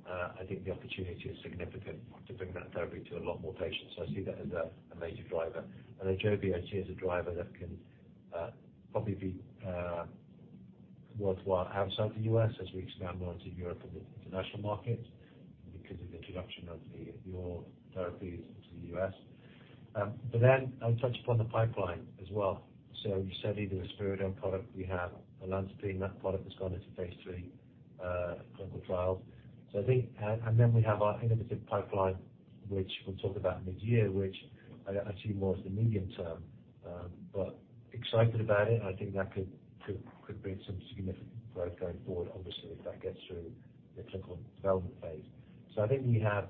I think the opportunity is significant to bring that therapy to a lot more patients. I see that as a major driver. AJOVY I see as a driver that can probably be worthwhile outside the U.S. as we expand more into Europe and the international market because of the introduction of the, your therapies into the U.S. I would touch upon the pipeline as well. You said either risperidone product. We have olanzapine, that product has gone into phase III clinical trials. I think. Then we have our innovative pipeline, which we'll talk about mid-year, which I see more as the medium term. Excited about it, and I think that could bring some significant growth going forward, obviously, if that gets through the clinical development phase. I think we have,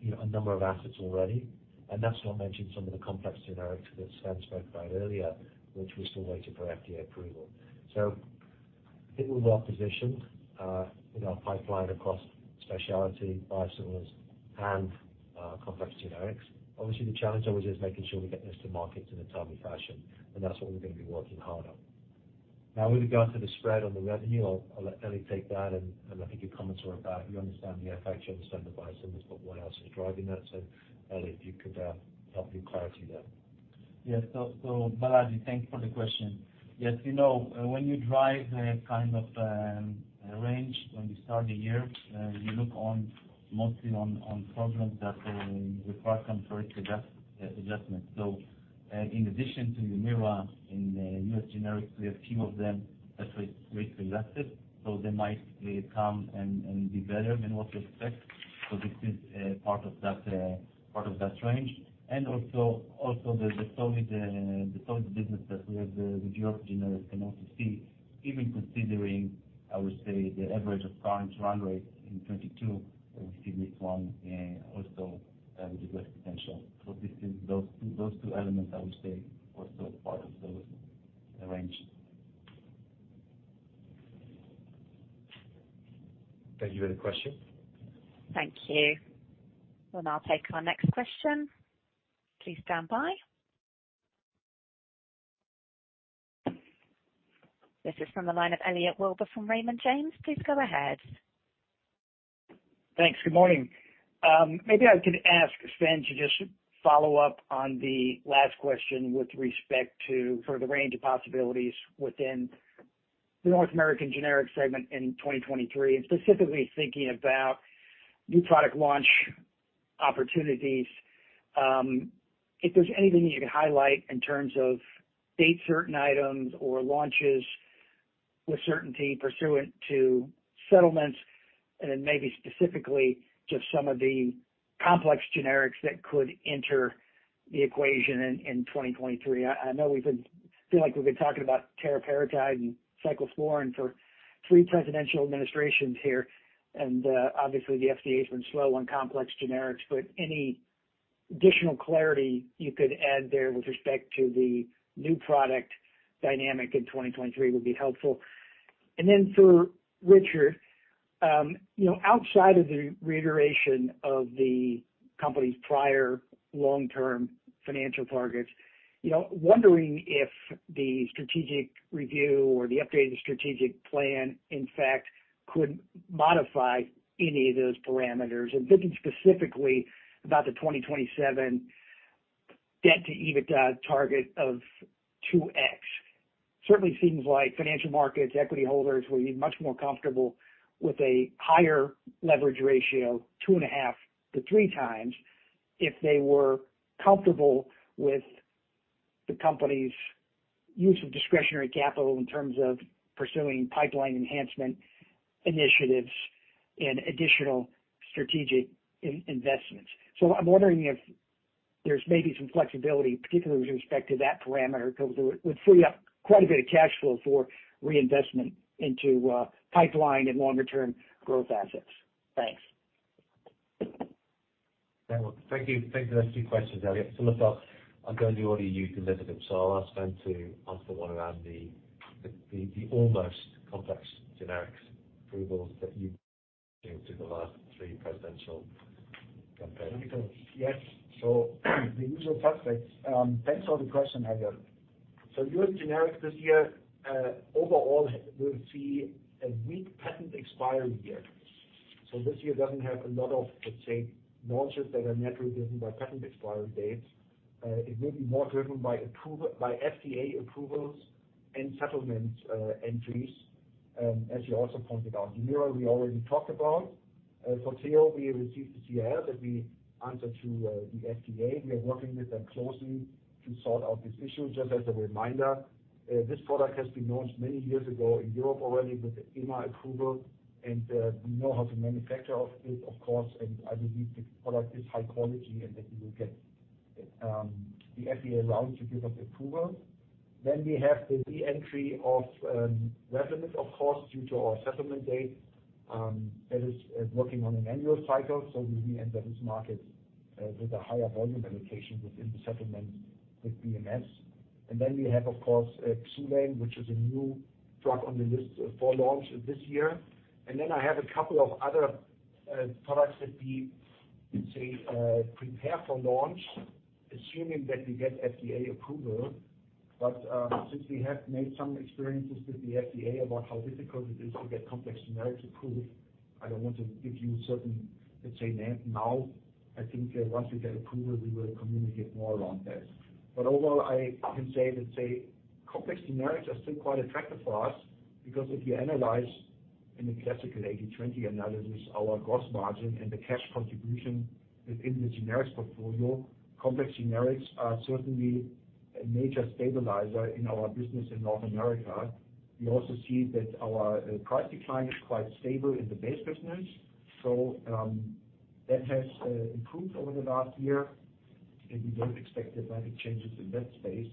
you know, a number of assets already, and that's not mentioning some of the complex generics that Sven spoke about earlier, which we're still waiting for FDA approval. I think we're well positioned in our pipeline across specialty, biosimilars, and complex generics. Obviously, the challenge always is making sure we get this to market in a timely fashion, and that's what we're gonna be working hard on. Now, with regard to the spread on the revenue, I'll let Eli take that. I think your comments were about you understand the FX, you understand the biosimilars, but what else is driving that? Eli, if you could help me clarify that. Yes. Balaji, thank you for the question. Yes, you know, when you drive a kind of a range when you start the year, you look on mostly on programs that require some price adjustment. In addition to HUMIRA in the U.S. generics, we have few of them that were rate-adjusted, so they might come and be better than what we expect. This is part of that part of that range. Also the solid business that we have with Europe generics can also see, even considering, I would say, the average price run rate in 2022, we see this one also with the growth potential. This is those two elements I would say are still part of those range. Thank you for the question. Thank you. We'll now take our next question. Please stand by. This is from the line of Elliot Wilbur from Raymond James. Please go ahead. Thanks. Good morning. Maybe I could ask Sven to just follow up on the last question with respect to sort of the range of possibilities within the North America generic segment in 2023, and specifically thinking about new product launch opportunities. If there's anything you can highlight in terms of date certain items or launches with certainty pursuant to settlements, and then maybe specifically just some of the complex generics that could enter the equation in 2023. I know we've been talking about teriparatide and cyclophosphamide for three presidential administrations here, and obviously the FDA's been slow on complex generics, but any additional clarity you could add there with respect to the new product dynamic in 2023 would be helpful. For Richard, you know, outside of the reiteration of the company's prior long-term financial targets, you know, wondering if the strategic review or the updated strategic plan in fact could modify any of those parameters. I'm thinking specifically about the 2027 debt to EBITDA target of 2x. Certainly seems like financial markets, equity holders will be much more comfortable with a higher leverage ratio, 2.5 to 3 times, if they were comfortable with the company's use of discretionary capital in terms of pursuing pipeline enhancement initiatives and additional strategic investments. I'm wondering if there's maybe some flexibility, particularly with respect to that parameter, 'cause it would free up quite a bit of cash flow for reinvestment into pipeline and longer term growth assets. Thanks. Thank you. Thank you for those two questions, Elliot. Some of that I'm going to order you can answer them. I'll ask Sven to answer the one around the, the almost complex generics approvals that you've been through the last three presidential campaigns. Yes. The usual suspects. Thanks for the question, Elliot. U.S. that are naturally driven by patent expiry dates. It will be more driven by FDA approvals and settlement entries. As you also pointed out, HUMIRA we already talked about. Forteo, we received the CRL that we answered to the FDA. We are working with them closely to sort out this issue. Just as a reminder, this product has been launched many years ago in Europe already with the EMA approval, and we know how to manufacture of it, of course, and I believe the product is high quality and that we will get the FDA allowing to give us approval. We have the re-entry of Resomix, of course, due to our settlement date, that is working on an annual cycle. We re-enter this market with a higher volume indication within the settlement with BMS. We have, of course, Xulane, which is a new drug on the list for launch this year. I have a couple of other products that we say prepare for launch, assuming that we get FDA approval. Since we have made some experiences with the FDA about how difficult it is to get complex generics approved, I don't want to give you certain, let's say, names now. I think that once we get approval, we will communicate more on that. Overall, I can say that complex generics are still quite attractive for us because if you analyze in the classical 80/20 analysis, our gross margin and the cash contribution within the generics portfolio, complex generics are certainly a major stabilizer in our business in North America. We also see that our price decline is quite stable in the base business, so that has improved over the last year, and we don't expect dramatic changes in that space.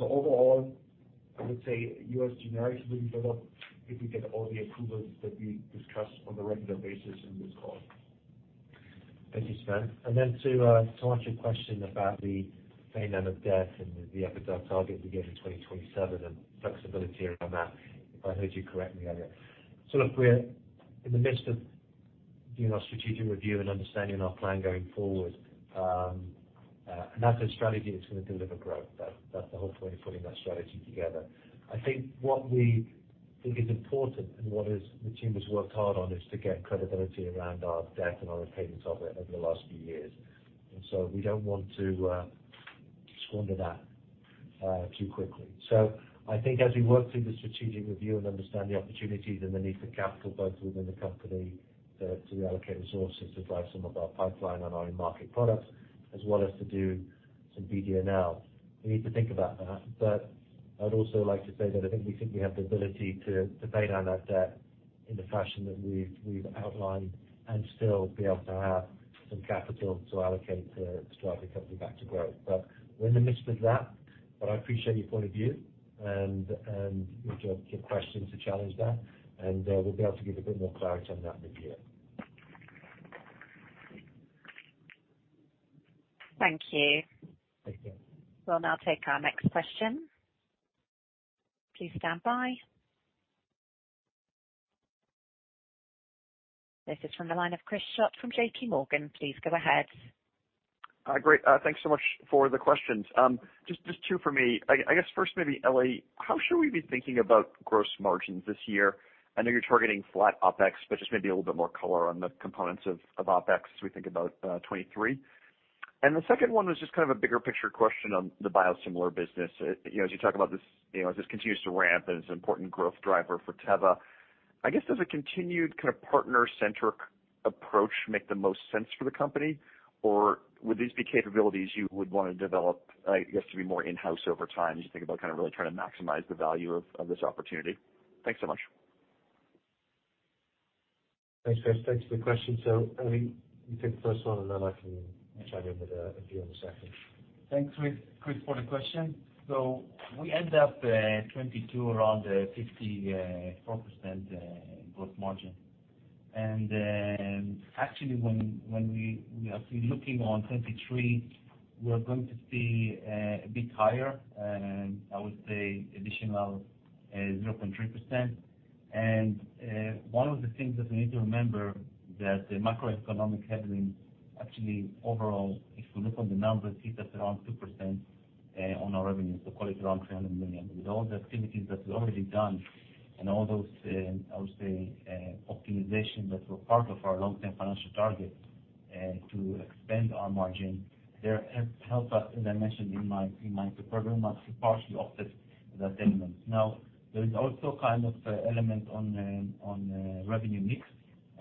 Overall, I would say U.S. generics will develop if we get all the approvals that we discussed on a regular basis in this call. Thank you, Sven. To answer your question about the pay down of debt and the EBITDA target we gave in 2027 and flexibility around that, if I heard you correctly, Elliot. Look, we're in the midst of doing our strategic review and understanding our plan going forward, that's a strategy that's gonna deliver growth. That's the whole point of putting that strategy together. I think what we think is important and what is the team has worked hard on is to get credibility around our debt and our repayment of it over the last few years. We don't want to squander that too quickly. I think as we work through the strategic review and understand the opportunities and the need for capital, both within the company to allocate resources to drive some of our pipeline on our in-market products, as well as to do some BD&L, we need to think about that. I'd also like to say that I think we think we have the ability to pay down our debt in the fashion that we've outlined and still be able to have some capital to allocate to drive the company back to growth. We're in the midst of that, but I appreciate your point of view and your questions to challenge that. We'll be able to give a bit more clarity on that mid-year. Thank you. Thank you. We'll now take our next question. Please stand by. This is from the line of Chris Schott from JPMorgan. Please go ahead. Great. Thanks so much for the questions. Just two for me. I guess first maybe Eli, how should we be thinking about gross margins this year? I know you're targeting flat OpEx, but just maybe a little bit more color on the components of OpEx as we think about 23. The second one was just kind of a bigger picture question on the biosimilar business. You know, as you talk about this, you know, as this continues to ramp and it's an important growth driver for Teva, I guess, does a continued kind of partner-centric approach make the most sense for the company? Would these be capabilities you would wanna develop, I guess, to be more in-house over time as you think about kind of really trying to maximize the value of this opportunity? Thanks so much. Thanks, Chris. Thanks for the question. Eli, you take the first one, and then I can chime in with a view on the second. Thanks, Chris, for the question. We end up 2022 around 54% gross margin. Actually, when we are actually looking on 2023, we are going to see a bit higher, and I would say additional 0.3%. One of the things that we need to remember that the macroeconomic headwind, actually overall, if you look on the numbers, hits us around 2% on our revenue, so call it around $300 million. With all the activities that we've already done and all those, I would say, optimization that were part of our long-term financial target to expand our margin, they have helped us, as I mentioned in my prepared remarks, to partially offset that element. There is also kind of element on revenue mix,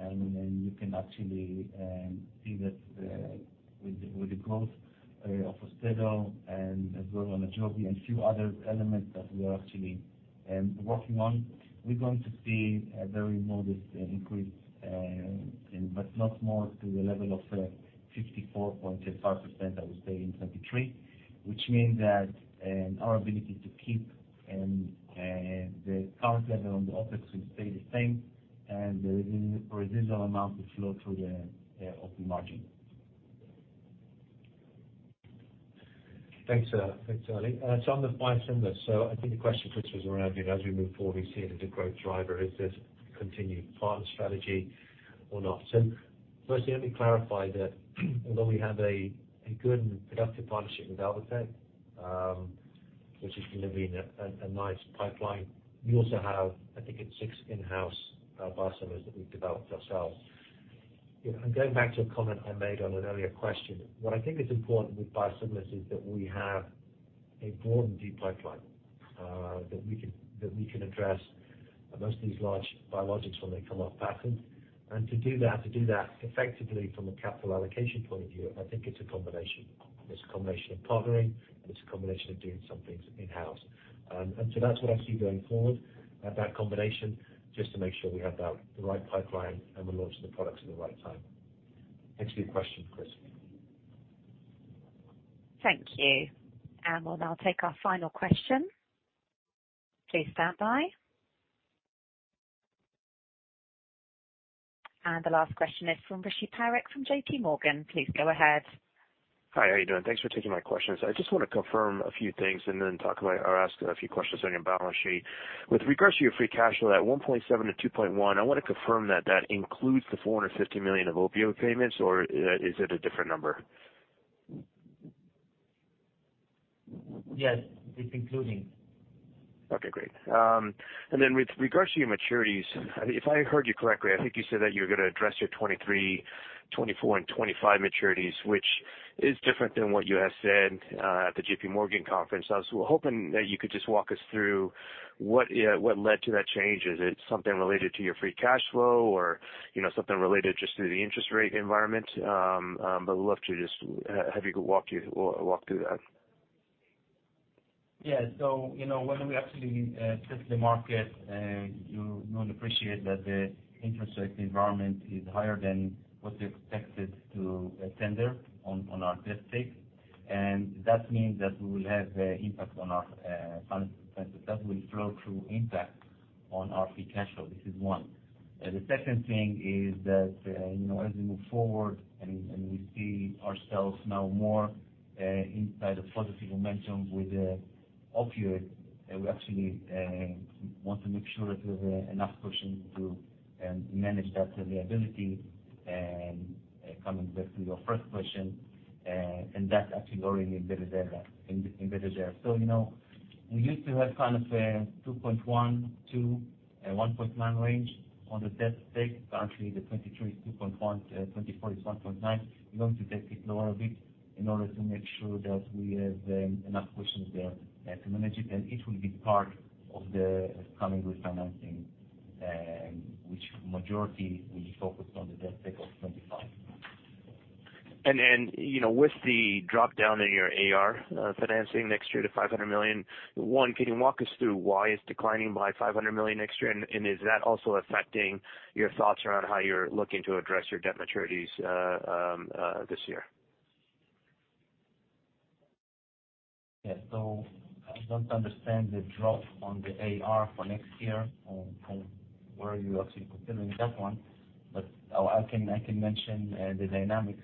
you can actually see that with the growth of AUSTEDO and as well on AJOVY and a few other elements that we are actually working on. We're going to see a very modest increase, but not more to the level of 54.65% I would say in 2023, which means that our ability to keep the current level on the OpEx will stay the same, and the residual amount will flow through the operating margin. Thanks, thanks, Eli. On the biosimilars, I think the question, Chris, was around, you know, as we move forward, we see it as a growth driver. Is this continued partner strategy or not? Firstly, let me clarify that although we have a good and productive partnership with Alvotech, which is delivering a nice pipeline, we also have, I think it's six in-house biosimilars that we've developed ourselves. You know, I'm going back to a comment I made on an earlier question. What I think is important with biosimilars is that we have a broad and deep pipeline that we can, that we can address most of these large biologics when they come off patent. To do that, to do that effectively from a capital allocation point of view, I think it's a combination. It's a combination of partnering, and it's a combination of doing some things in-house. That's what I see going forward, that combination, just to make sure we have that, the right pipeline and we're launching the products at the right time. Thanks for your question, Chris. Thank you. We'll now take our final question. Please stand by. The last question is from Rishi Parekh from JPMorgan. Please go ahead. Hi, how are you doing? Thanks for taking my questions. I just wanna confirm a few things and then talk about or ask a few questions on your balance sheet. With regards to your free cash flow at $1.7 billion-$2.1 billion, I wanna confirm that that includes the $450 million of opioid payments or is it a different number? Yes, it's including. Okay, great. Then with regards to your maturities, if I heard you correctly, I think you said that you're gonna address your 2023, 2024 and 2025 maturities, which is different than what you had said at the JPMorgan conference. I was hoping that you could just walk us through what led to that change. Is it something related to your free cash flow or, you know, something related just to the interest rate environment? But I'd love to just have you walk through that. Yeah. You know, when we actually test the market, you don't appreciate that the interest rate environment is higher than what's expected to tender on our test take. That means that we will have impact on our financial center. That will flow through impact on our free cash flow. This is one. The second thing is that, you know, as we move forward and we see ourselves now more inside a positive momentum with the opioid, we actually want to make sure that we have enough cushion to manage that availability, coming back to your first question. That's actually already embedded there, embedded there. You know, we used to have kind of a 2.1-1.9 range on the debt take. Actually, the 2023 is 2.1, 2024 is 1.9. We're going to take it lower a bit in order to make sure that we have enough cushion there to manage it, and it will be part of the coming refinancing, which majority will be focused on the debt take of 2025. you know, with the drop-down in your AR financing next year to $500 million, can you walk us through why it's declining by $500 million next year? Is that also affecting your thoughts around how you're looking to address your debt maturities this year? Yeah. I don't understand the drop on the AR for next year on where you actually considering that one. I can mention the dynamics.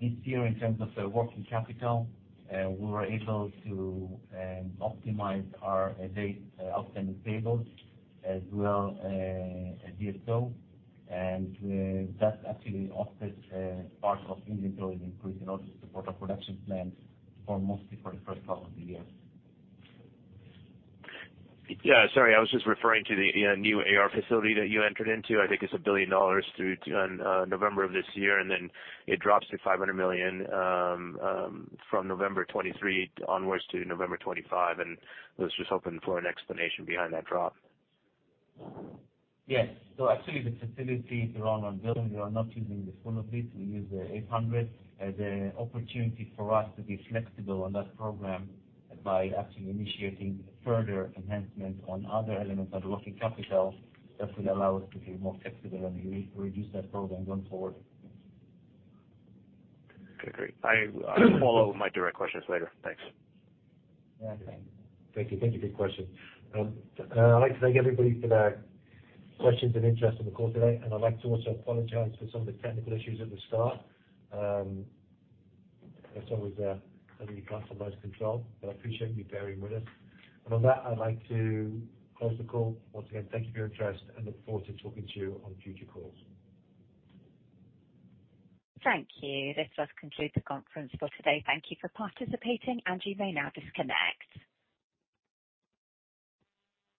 This year in terms of the working capital, we were able to optimize our date outstanding tables as well, DSO. That actually offsets part of inventory increase in order to support our production plans for mostly for the first half of the year. Yeah, sorry. I was just referring to the, you know, new AR facility that you entered into. I think it's $1 billion through November of this year, and then it drops to $500 million from November 2023 onwards to November 2025. I was just hoping for an explanation behind that drop. Yes. Actually the facility is around $1 billion. We are not using the full of it. We use $800 million as an opportunity for us to be flexible on that program by actually initiating further enhancement on other elements of working capital that will allow us to be more flexible and re-reduce that program going forward. Okay, great. I will follow with my direct questions later. Thanks. Yeah. Thanks. Thank you. Thank you for the question. I'd like to thank everybody for their questions and interest in the call today. I'd like to also apologize for some of the technical issues at the start, that's always something you can't sometimes control, but I appreciate you bearing with us. On that, I'd like to close the call. Once again, thank you for your interest and look forward to talking to you on future calls. Thank you. This does conclude the conference for today. Thank you for participating, and you may now disconnect.